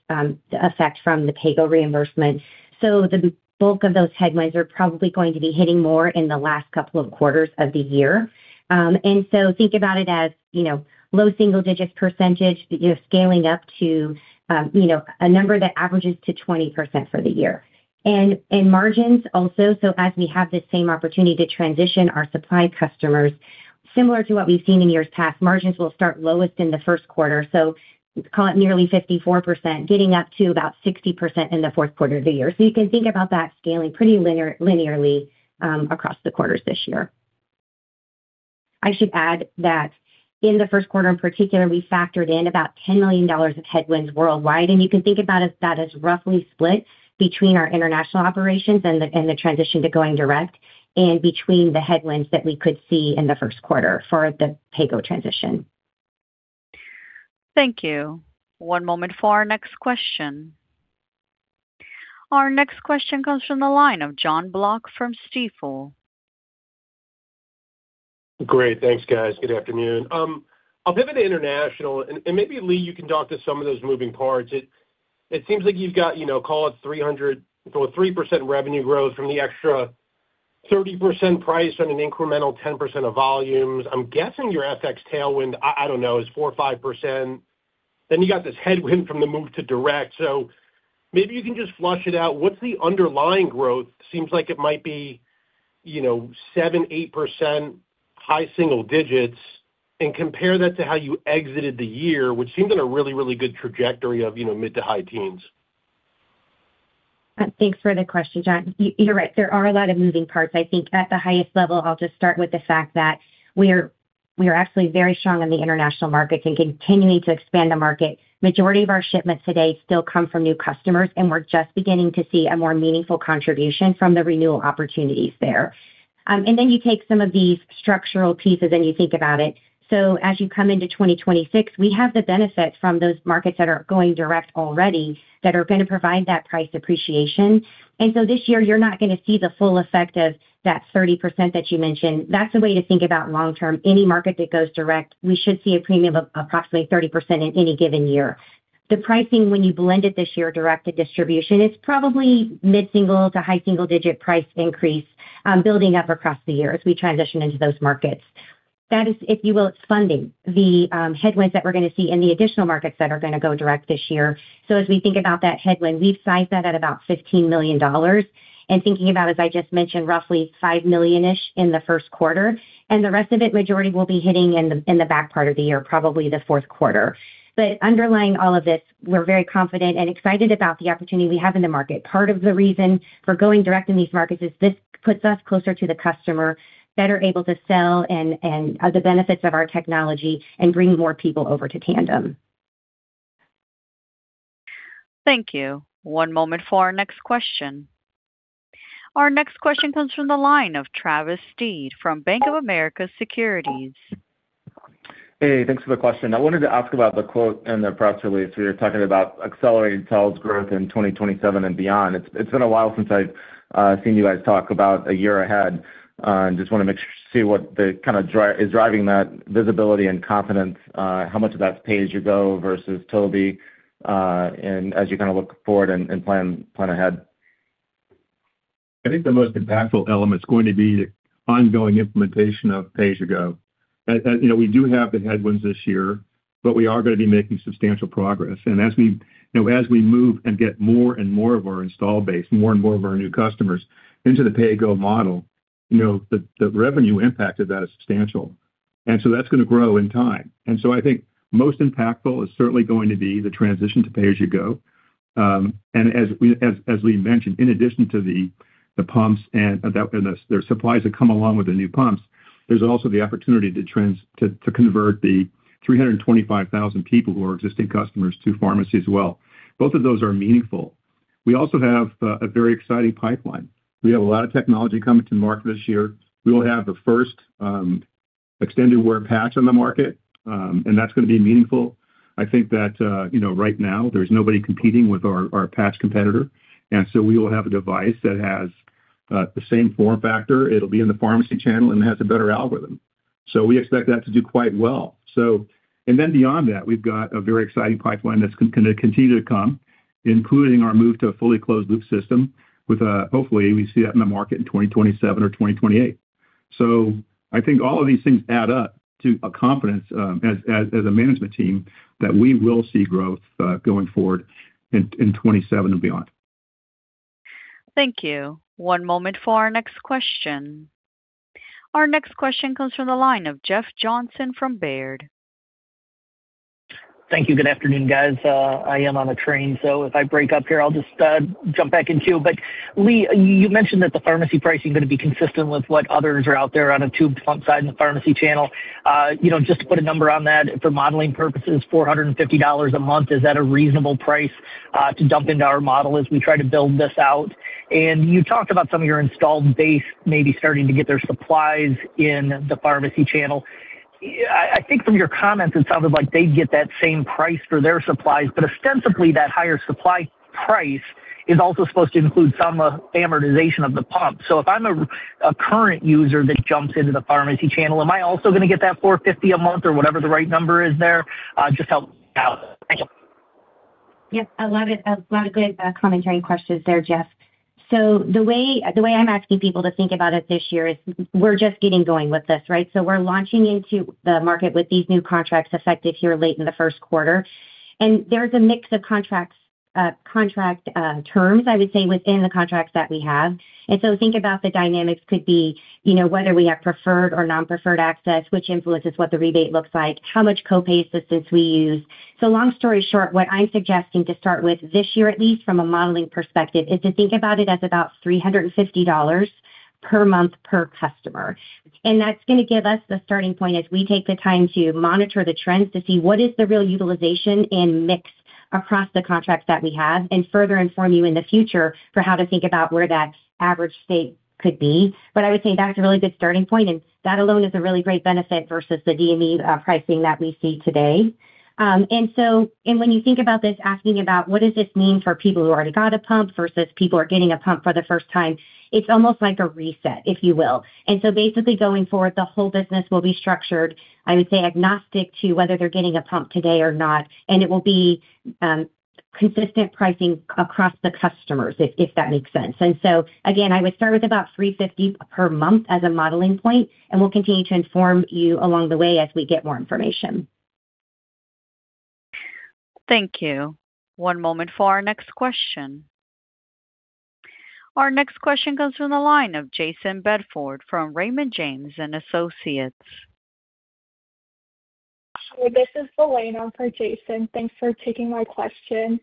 effect from the PayGo reimbursement. So the bulk of those headwinds are probably going to be hitting more in the last couple of quarters of the year. And so think about it as, you know, low single digits percentage, you're scaling up to, you know, a number that averages to 20% for the year. And margins also, so as we have the same opportunity to transition our supply customers, similar to what we've seen in years past, margins will start lowest in the first quarter. So call it nearly 54%, getting up to about 60% in the fourth quarter of the year. So you can think about that scaling pretty linear, linearly, across the quarters this year. I should add that in the first quarter, in particular, we factored in about $10 million of headwinds worldwide, and you can think about it that as roughly split between our international operations and the transition to going direct and between the headwinds that we could see in the first quarter for the PayGo transition. Thank you. One moment for our next question. Our next question comes from the line of Jon Block from Stifel. Great. Thanks, guys. Good afternoon. I'll pivot to international, and maybe, Leigh, you can talk to some of those moving parts. It seems like you've got, you know, call it 300, so a 3% revenue growth from the extra 30% price on an incremental 10% of volumes. I'm guessing your FX tailwind, I don't know, is 4% or 5%. Then you got this headwind from the move to direct. So maybe you can just flesh it out. What's the underlying growth? Seems like it might be, you know, 7%, 8%, high single digits, and compare that to how you exited the year, which seemed in a really, really good trajectory of, you know, mid to high teens. Thanks for the question, Jon. You're right, there are a lot of moving parts. I think at the highest level, I'll just start with the fact that we are, we are actually very strong in the international market and continuing to expand the market. Majority of our shipments today still come from new customers, and we're just beginning to see a more meaningful contribution from the renewal opportunities there. And then you take some of these structural pieces, and you think about it. So as you come into 2026, we have the benefits from those markets that are going direct already that are gonna provide that price appreciation. And so this year, you're not gonna see the full effect of that 30% that you mentioned. That's the way to think about long term. Any market that goes direct, we should see a premium of approximately 30% in any given year. The pricing, when you blend it this year, direct to distribution, it's probably mid-single to high-single digit price increase, building up across the year as we transition into those markets. That is, if you will, it's funding the headwinds that we're gonna see in the additional markets that are gonna go direct this year. As we think about that headwind, we've sized that at about $15 million. Thinking about, as I just mentioned, roughly $5 million-ish in the first quarter, and the rest of it, majority will be hitting in the back part of the year, probably the fourth quarter. Underlying all of this, we're very confident and excited about the opportunity we have in the market. Part of the reason for going direct in these markets is this puts us closer to the customer, better able to sell and the benefits of our technology, and bring more people over to Tandem. Thank you. One moment for our next question. Our next question comes from the line of Travis Steed from Bank of America Securities. Hey, thanks for the question. I wanted to ask about the quote in the press release where you're talking about accelerating sales growth in 2027 and beyond. It's been a while since I've seen you guys talk about a year ahead. And just want to make sure, see what the kind of is driving that visibility and confidence, how much of that's pay as you go versus Mobi, and as you kind of look forward and plan ahead. I think the most impactful element is going to be the ongoing implementation of pay-as-you-go. You know, we do have the headwinds this year, but we are going to be making substantial progress. And as we, you know, as we move and get more and more of our installed base, more and more of our new customers into the PayGo model, you know, the revenue impact of that is substantial, and so that's going to grow in time. And so I think most impactful is certainly going to be the transition to pay-as-you-go. And as Leigh mentioned, in addition to the pumps and the supplies that come along with the new pumps, there's also the opportunity to convert the 325,000 people who are existing customers to pharmacy as well. Both of those are meaningful. We also have a very exciting pipeline. We have a lot of technology coming to market this year. We will have the first extended wear patch on the market, and that's going to be meaningful. I think that, you know, right now there's nobody competing with our patch competitor, and so we will have a device that has the same form factor. It'll be in pharmacy channel and has a better algorithm. So we expect that to do quite well. And then beyond that, we've got a very exciting pipeline that's going to continue to come, including our move to a fully closed loop system with, hopefully we see that in the market in 2027 or 2028. So I think all of these things add up to a confidence as a management team, that we will see growth going forward in 2027 and beyond. Thank you. One moment for our next question. Our next question comes from the line of Jeff Johnson from Baird. Thank you. Good afternoon, guys. I am on a train, so if I break up here, I'll just jump back into you. But Leigh, you mentioned that the pharmacy pricing going to be consistent with what others are out there on a tubed pump side in pharmacy channel. You know, just to put a number on that for modeling purposes, $450 a month, is that a reasonable price to dump into our model as we try to build this out? And you talked about some of your installed base maybe starting to get their supplies in pharmacy channel. I think from your comments, it sounded like they'd get that same price for their supplies, but ostensibly, that higher supply price is also supposed to include some amortization of the pump. If I'm a current user that jumps into pharmacy channel, am I also going to get that $450 a month or whatever the right number is there? Just help out. Thank you. Yes, a lot of, a lot of good commentary questions there, Jeff. So the way, the way I'm asking people to think about it this year is we're just getting going with this, right? So we're launching into the market with these new contracts effective here late in the first quarter. And there's a mix of contracts, contract terms, I would say, within the contracts that we have. And so think about the dynamics could be, you know, whether we have preferred or non-preferred access, which influences what the rebate looks like, how much co-pay assistance we use. So long story short, what I'm suggesting to start with this year, at least from a modeling perspective, is to think about it as about $350 per month per customer. That's going to give us the starting point as we take the time to monitor the trends to see what is the real utilization and mix across the contracts that we have, and further inform you in the future for how to think about where that average state could be. But I would say that's a really good starting point, and that alone is a really great benefit versus the DME pricing that we see today. And so, and when you think about this, asking about what does this mean for people who already got a pump versus people who are getting a pump for the first time, it's almost like a reset, if you will. And so basically, going forward, the whole business will be structured, I would say, agnostic to whether they're getting a pump today or not. It will be consistent pricing across the customers, if that makes sense. So again, I would start with about $350 per month as a modeling point, and we'll continue to inform you along the way as we get more information. Thank you. One moment for our next question. Our next question comes from the line of Jayson Bedford from Raymond James and Associates. Hi, this is Elena for Jayson. Thanks for taking my question.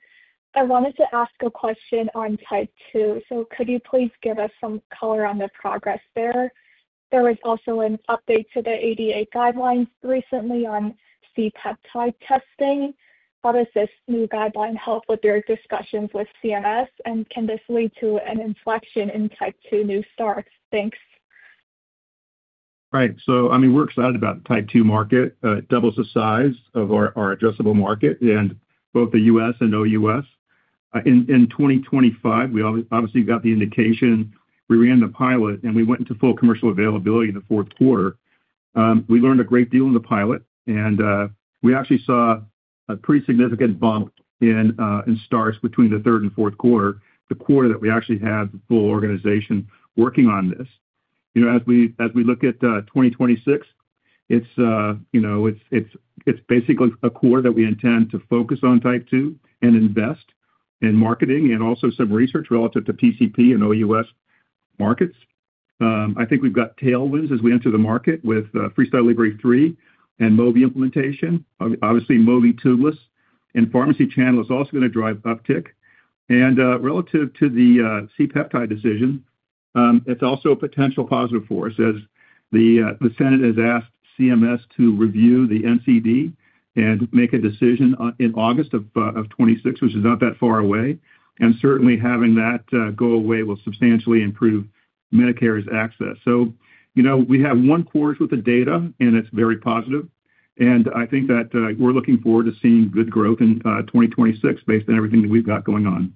I wanted to ask a question on type 2, so could you please give us some color on the progress there? There was also an update to the ADA guidelines recently on C-peptide testing. How does this new guideline help with your discussions with CMS, and can this lead to an inflection in type 2 new starts? Thanks. Right. So I mean, we're excited about the type 2 market. It doubles the size of our addressable market in both the U.S. and OUS. In 2025, we obviously got the indication. We ran the pilot, and we went into full commercial availability in the fourth quarter. We learned a great deal in the pilot, and we actually saw a pretty significant bump in starts between the third and fourth quarter, the quarter that we actually had the full organization working on this. You know, as we, as we look at 2026, it's, you know, it's, it's, it's basically a core that we intend to focus on type 2 and invest in marketing and also some research relative to PCP and OUS markets. I think we've got tailwinds as we enter the market with FreeStyle Libre 3 and Mobi implementation. Obviously, Mobi Tubeless pharmacy channel is also going to drive uptick. Relative to the C-peptide decision, it's also a potential positive for us as the Senate has asked CMS to review the NCD and make a decision on in August of 2026, which is not that far away. Certainly having that go away will substantially improve Medicare's access. You know, we have one quarter with the data, and it's very positive. I think that we're looking forward to seeing good growth in 2026 based on everything that we've got going on.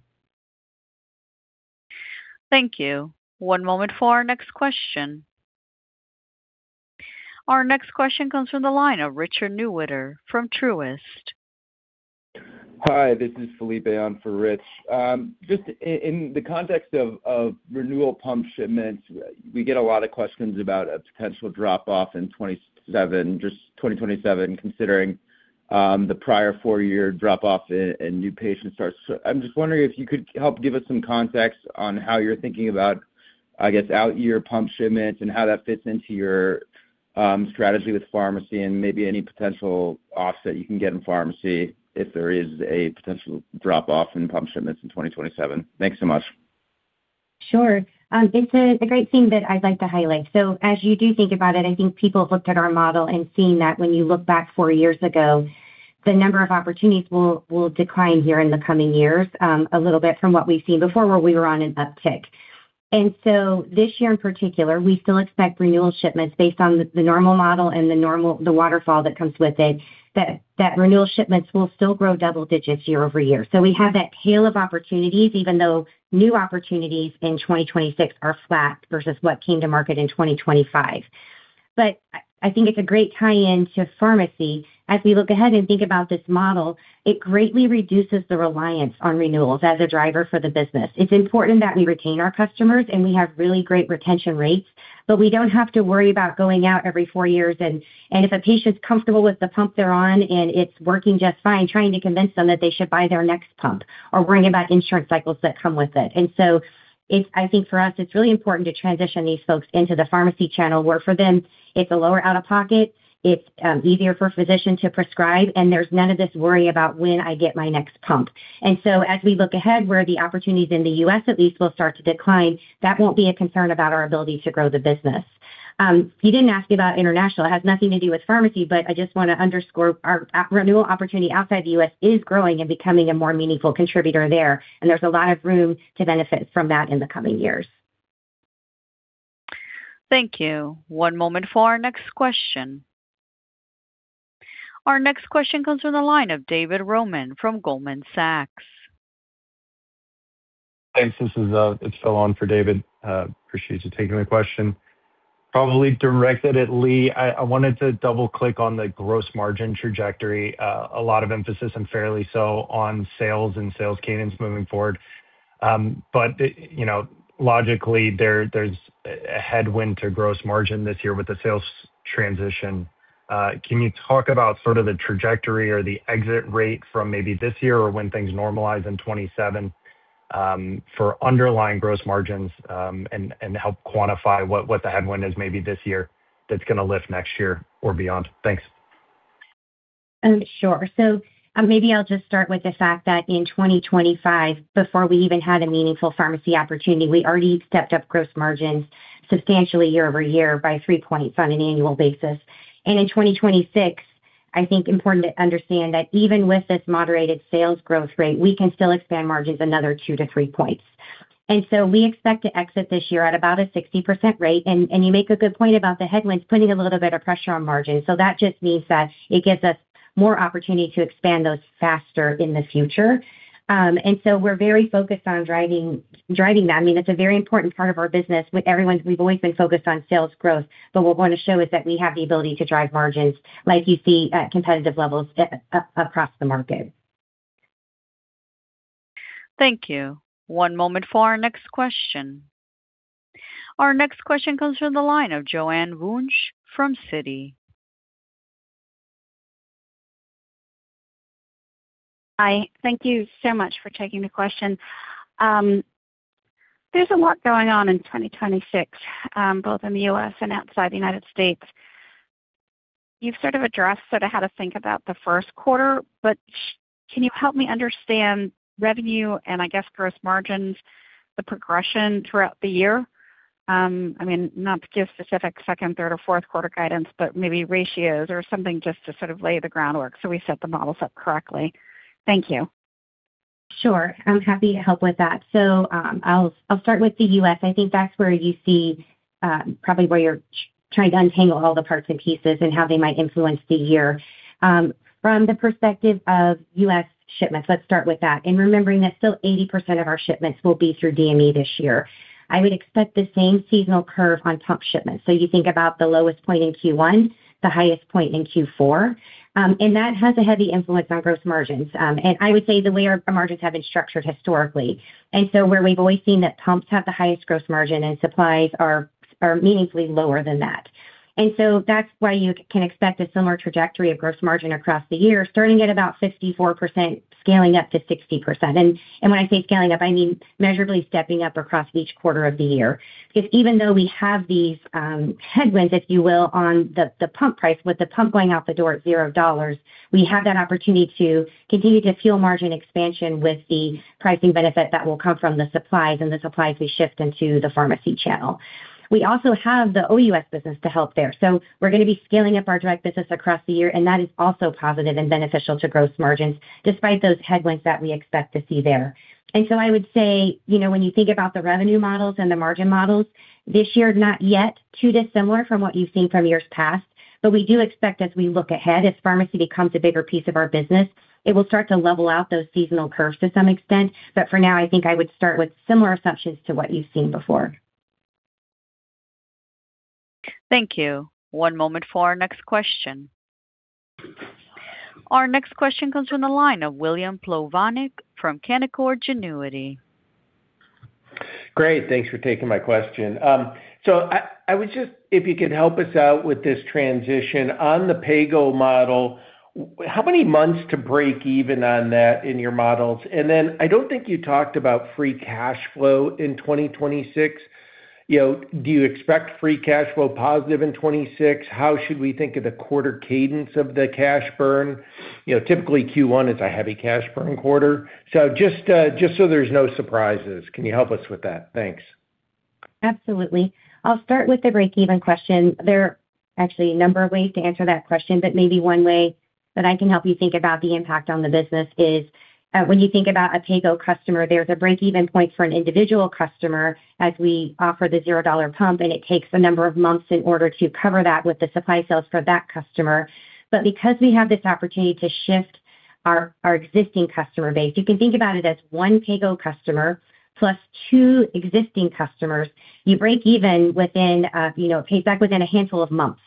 Thank you. One moment for our next question. Our next question comes from the line of Richard Newitter from Truist. Hi, this is [Philippe] on for Rich. Just in the context of renewal pump shipments, we get a lot of questions about a potential drop-off in 2027, just 2027, considering the prior four-year drop-off in new patient starts. I'm just wondering if you could help give us some context on how you're thinking about, I guess, out year pump shipments and how that fits into your strategy with pharmacy and maybe any potential offset you can get in pharmacy if there is a potential drop-off in pump shipments in 2027. Thanks so much. Sure. It's a great theme that I'd like to highlight. So as you do think about it, I think people have looked at our model and seen that when you look back four years ago, the number of opportunities will decline here in the coming years, a little bit from what we've seen before, where we were on an uptick. And so this year in particular, we still expect renewal shipments based on the normal model and the normal waterfall that comes with it, that renewal shipments will still grow double digits year-over-year. So we have that tail of opportunities, even though new opportunities in 2026 are flat versus what came to market in 2025. But I think it's a great tie-in to pharmacy. As we look ahead and think about this model, it greatly reduces the reliance on renewals as a driver for the business. It's important that we retain our customers, and we have really great retention rates, but we don't have to worry about going out every four years and if a patient's comfortable with the pump they're on, and it's working just fine, trying to convince them that they should buy their next pump or worrying about insurance cycles that come with it. And so it's, I think for us, it's really important to transition these folks into pharmacy channel, where for them, it's a lower out-of-pocket, it's easier for a physician to prescribe, and there's none of this worry about when I get my next pump. And so as we look ahead, where the opportunities in the U.S. at least will start to decline, that won't be a concern about our ability to grow the business. You didn't ask me about international. It has nothing to do with pharmacy, but I just want to underscore our renewal opportunity outside the U.S. is growing and becoming a more meaningful contributor there, and there's a lot of room to benefit from that in the coming years. Thank you. One moment for our next question. Our next question comes from the line of David Roman from Goldman Sachs. Thanks. This is, it's [Stallone] for David. Appreciate you taking my question. Probably directed at Leigh. I wanted to double-click on the gross margin trajectory. A lot of emphasis, and fairly so, on sales and sales cadence moving forward. But, you know, logically, there's a headwind to gross margin this year with the sales transition. Can you talk about sort of the trajectory or the exit rate from maybe this year or when things normalize in 2027, for underlying gross margins, and help quantify what the headwind is maybe this year that's going to lift next year or beyond? Thanks. Sure. So, maybe I'll just start with the fact that in 2025, before we even had a meaningful pharmacy opportunity, we already stepped up gross margins substantially year-over-year by 3 points on an annual basis. And in 2026, I think important to understand that even with this moderated sales growth rate, we can still expand margins another 2-3 points. And so we expect to exit this year at about a 60% rate, and you make a good point about the headwinds putting a little bit of pressure on margins. So that just means that it gives us more opportunity to expand those faster in the future. And so we're very focused on driving that. I mean, that's a very important part of our business. With everyone, we've always been focused on sales growth, but what we want to show is that we have the ability to drive margins like you see at competitive levels across the market. Thank you. One moment for our next question. Our next question comes from the line of Joanne Wuensch from Citi. Hi, thank you so much for taking the question. There's a lot going on in 2026, both in the U.S. and outside the United States. You've sort of addressed sort of how to think about the first quarter, but can you help me understand revenue and I guess, gross margins, the progression throughout the year? I mean, not give specific second, third, or fourth quarter guidance, but maybe ratios or something just to sort of lay the groundwork so we set the models up correctly. Thank you. Sure, I'm happy to help with that. So, I'll start with the U.S. I think that's where you see, probably where you're trying to untangle all the parts and pieces and how they might influence the year. From the perspective of U.S. shipments, let's start with that, and remembering that still 80% of our shipments will be through DME this year. I would expect the same seasonal curve on pump shipments. So you think about the lowest point in Q1, the highest point in Q4, and that has a heavy influence on gross margins. And I would say the way our margins have been structured historically, and so where we've always seen that pumps have the highest gross margin and supplies are meaningfully lower than that. And so that's why you can expect a similar trajectory of gross margin across the year, starting at about 54%, scaling up to 60%. And, and when I say scaling up, I mean measurably stepping up across each quarter of the year. Because even though we have these headwinds, if you will, on the pump price, with the pump going out the door at $0, we have that opportunity to continue to fuel margin expansion with the pricing benefit that will come from the supplies and the supplies we shift into pharmacy channel. We also have the OUS business to help there. So we're going to be scaling up our direct business across the year, and that is also positive and beneficial to gross margins, despite those headwinds that we expect to see there. And so I would say, you know, when you think about the revenue models and the margin models, this year, not yet too dissimilar from what you've seen from years past, but we do expect as we look ahead, as pharmacy becomes a bigger piece of our business, it will start to level out those seasonal curves to some extent. But for now, I think I would start with similar assumptions to what you've seen before. Thank you. One moment for our next question. Our next question comes from the line of William Plovanic from Canaccord Genuity. Great. Thanks for taking my question. So I was just... If you could help us out with this transition. On the PayGo model, how many months to break even on that in your models? And then I don't think you talked about free cash flow in 2026. You know, do you expect free cash flow positive in 2026? How should we think of the quarter cadence of the cash burn? You know, typically Q1 is a heavy cash burn quarter. So just so there's no surprises, can you help us with that? Thanks. Absolutely. I'll start with the break-even question. There are actually a number of ways to answer that question, but maybe one way that I can help you think about the impact on the business is, when you think about a PayGo customer, there's a break-even point for an individual customer as we offer the $0 pump, and it takes a number of months in order to cover that with the supply sales for that customer. But because we have this opportunity to shift our, our existing customer base, you can think about it as one PayGo customer plus two existing customers. You break even within, you know, pay back within a handful of months.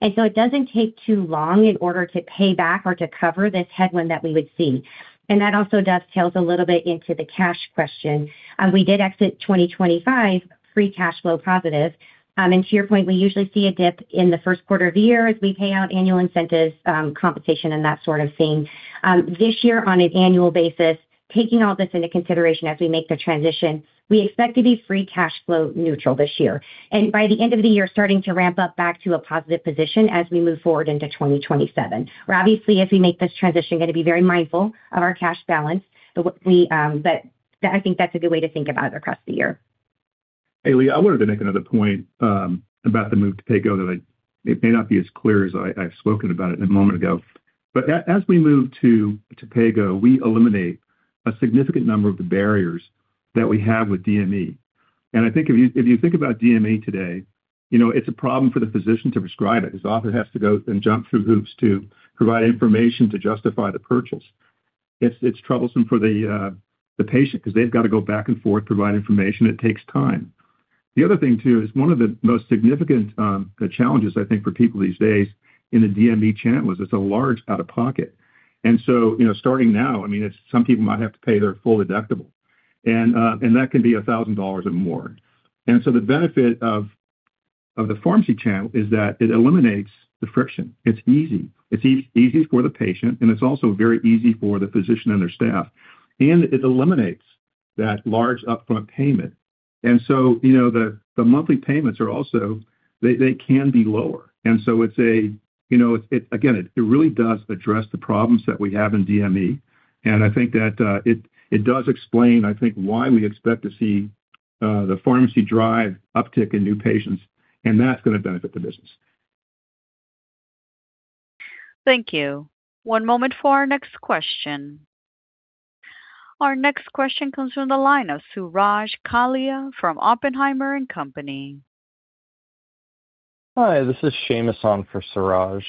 And so it doesn't take too long in order to pay back or to cover this headwind that we would see. And that also dovetails a little bit into the cash question. We did exit 2025 free cash flow positive. And to your point, we usually see a dip in the first quarter of the year as we pay out annual incentives, compensation, and that sort of thing. This year, on an annual basis, taking all this into consideration as we make the transition, we expect to be free cash flow neutral this year. And by the end of the year, starting to ramp up back to a positive position as we move forward into 2027, where obviously, as we make this transition, going to be very mindful of our cash balance. But we, but I think that's a good way to think about it across the year. Hey, Leigh, I wanted to make another point about the move to PayGo, that it may not be as clear as I, I've spoken about it a moment ago. But as we move to PayGo, we eliminate a significant number of the barriers that we have with DME. And I think if you, if you think about DME today, you know, it's a problem for the physician to prescribe it. His office has to go and jump through hoops to provide information to justify the purchase. It's troublesome for the patient because they've got to go back and forth, provide information. It takes time. The other thing, too, is one of the most significant challenges I think, for people these days in the DME channel is it's a large out-of-pocket. And so, you know, starting now, I mean, it's some people might have to pay their full deductible, and, and that can be $1,000 or more. And so the benefit of pharmacy channel is that it eliminates the friction. It's easy. It's easy for the patient, and it's also very easy for the physician and their staff. And it eliminates that large upfront payment. And so, you know, the monthly payments are also. They can be lower. And so it's a, you know, it, again, it, it really does address the problems that we have in DME. And I think that, it does explain, I think, why we expect to see the pharmacy drive uptick in new patients, and that's going to benefit the business. Thank you. One moment for our next question. Our next question comes from the line of Suraj Kalia from Oppenheimer and Company. Hi, this is Shaymus on for Suraj.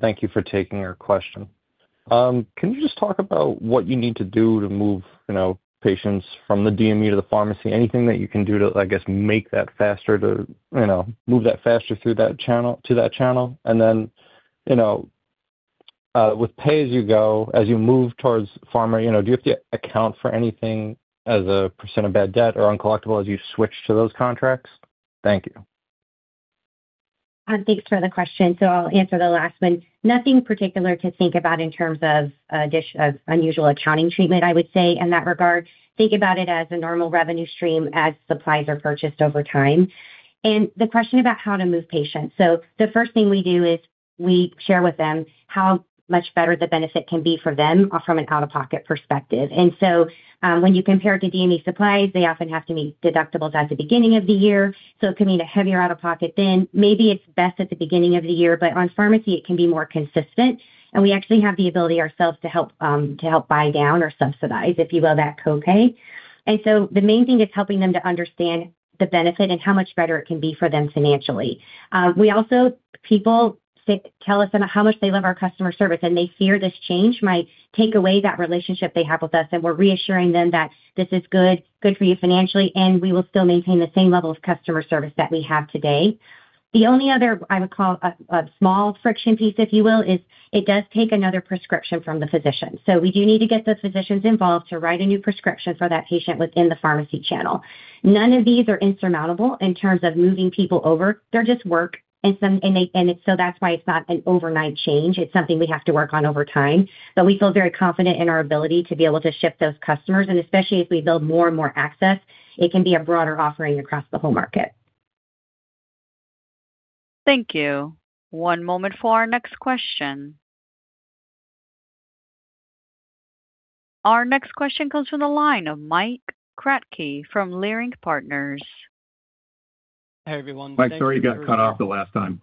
Thank you for taking our question. Can you just talk about what you need to do to move, you know, patients from the DME to the pharmacy? Anything that you can do to, I guess, make that faster to, you know, move that faster through that channel, to that channel. And then, you know, with pay-as-you-go, as you move towards pharma, you know, do you have to account for anything as a percent of bad debt or uncollectible as you switch to those contracts? Thank you. Thanks for the question. So I'll answer the last one. Nothing particular to think about in terms of unusual accounting treatment, I would say, in that regard. Think about it as a normal revenue stream as supplies are purchased over time. And the question about how to move patients. So the first thing we do is we share with them how much better the benefit can be for them from an out-of-pocket perspective. And so, when you compare it to DME supplies, they often have to meet deductibles at the beginning of the year, so it can be a heavier out-of-pocket then. Maybe it's best at the beginning of the year, but on pharmacy it can be more consistent, and we actually have the ability ourselves to help buy down or subsidize, if you will, that co-pay. And so the main thing is helping them to understand the benefit and how much better it can be for them financially. We also, people say, tell us about how much they love our customer service, and they fear this change might take away that relationship they have with us, and we're reassuring them that this is good, good for you financially, and we will still maintain the same level of customer service that we have today. The only other, I would call a small friction piece, if you will, is it does take another prescription from the physician. So we do need to get those physicians involved to write a new prescription for that patient within pharmacy channel. None of these are insurmountable in terms of moving people over. They're just work, and so that's why it's not an overnight change. It's something we have to work on over time. But we feel very confident in our ability to be able to shift those customers, and especially as we build more and more access, it can be a broader offering across the whole market. Thank you. One moment for our next question. Our next question comes from the line of Mike Kratky from Leerink Partners. Hi, everyone. Mike, sorry, you got cut off the last time.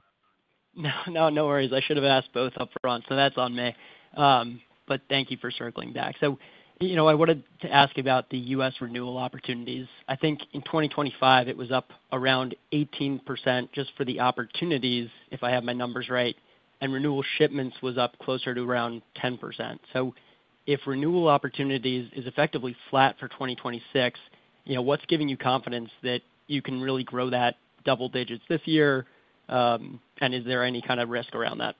No, no, no worries. I should have asked both up front, so that's on me. But thank you for circling back. So, you know, I wanted to ask about the U.S. renewal opportunities. I think in 2025, it was up around 18% just for the opportunities, if I have my numbers right, and renewal shipments was up closer to around 10%. So if renewal opportunities is effectively flat for 2026, you know, what's giving you confidence that you can really grow that double digits this year, and is there any kind of risk around that?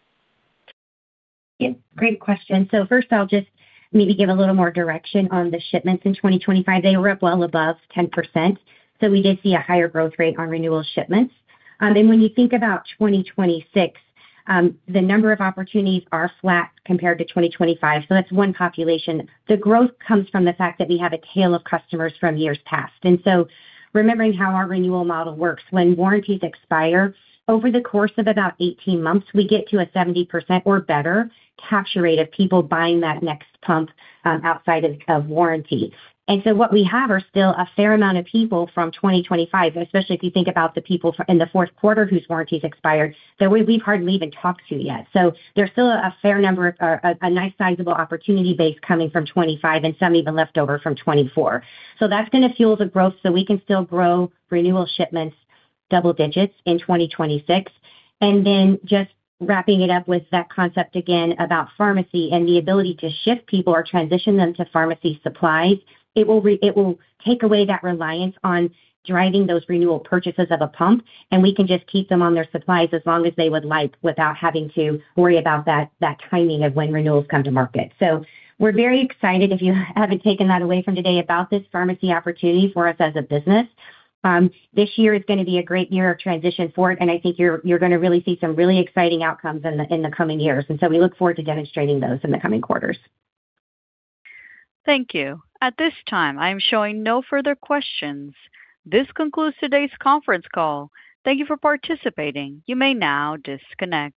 Yeah, great question. So first, I'll just maybe give a little more direction on the shipments in 2025. They were up well above 10%, so we did see a higher growth rate on renewal shipments. And when you think about 2026, the number of opportunities are flat compared to 2025, so that's one population. The growth comes from the fact that we have a tail of customers from years past. And so remembering how our renewal model works, when warranties expire, over the course of about 18 months, we get to a 70% or better capture rate of people buying that next pump, outside of warranty. What we have are still a fair amount of people from 2025, especially if you think about the people in the fourth quarter whose warranties expired, that we, we've hardly even talked to yet. There's still a fair number, or a nice sizable opportunity base coming from 2025 and some even left over from 2024. That's going to fuel the growth so we can still grow renewal shipments double digits in 2026. Just wrapping it up with that concept again about pharmacy and the ability to shift people or transition them to pharmacy supplies, it will take away that reliance on driving those renewal purchases of a pump, and we can just keep them on their supplies as long as they would like without having to worry about that timing of when renewals come to market. We're very excited, if you haven't taken that away from today, about this pharmacy opportunity for us as a business. This year is going to be a great year of transition for it, and I think you're going to really see some really exciting outcomes in the coming years. We look forward to demonstrating those in the coming quarters. Thank you. At this time, I am showing no further questions. This concludes today's conference call. Thank you for participating. You may now disconnect.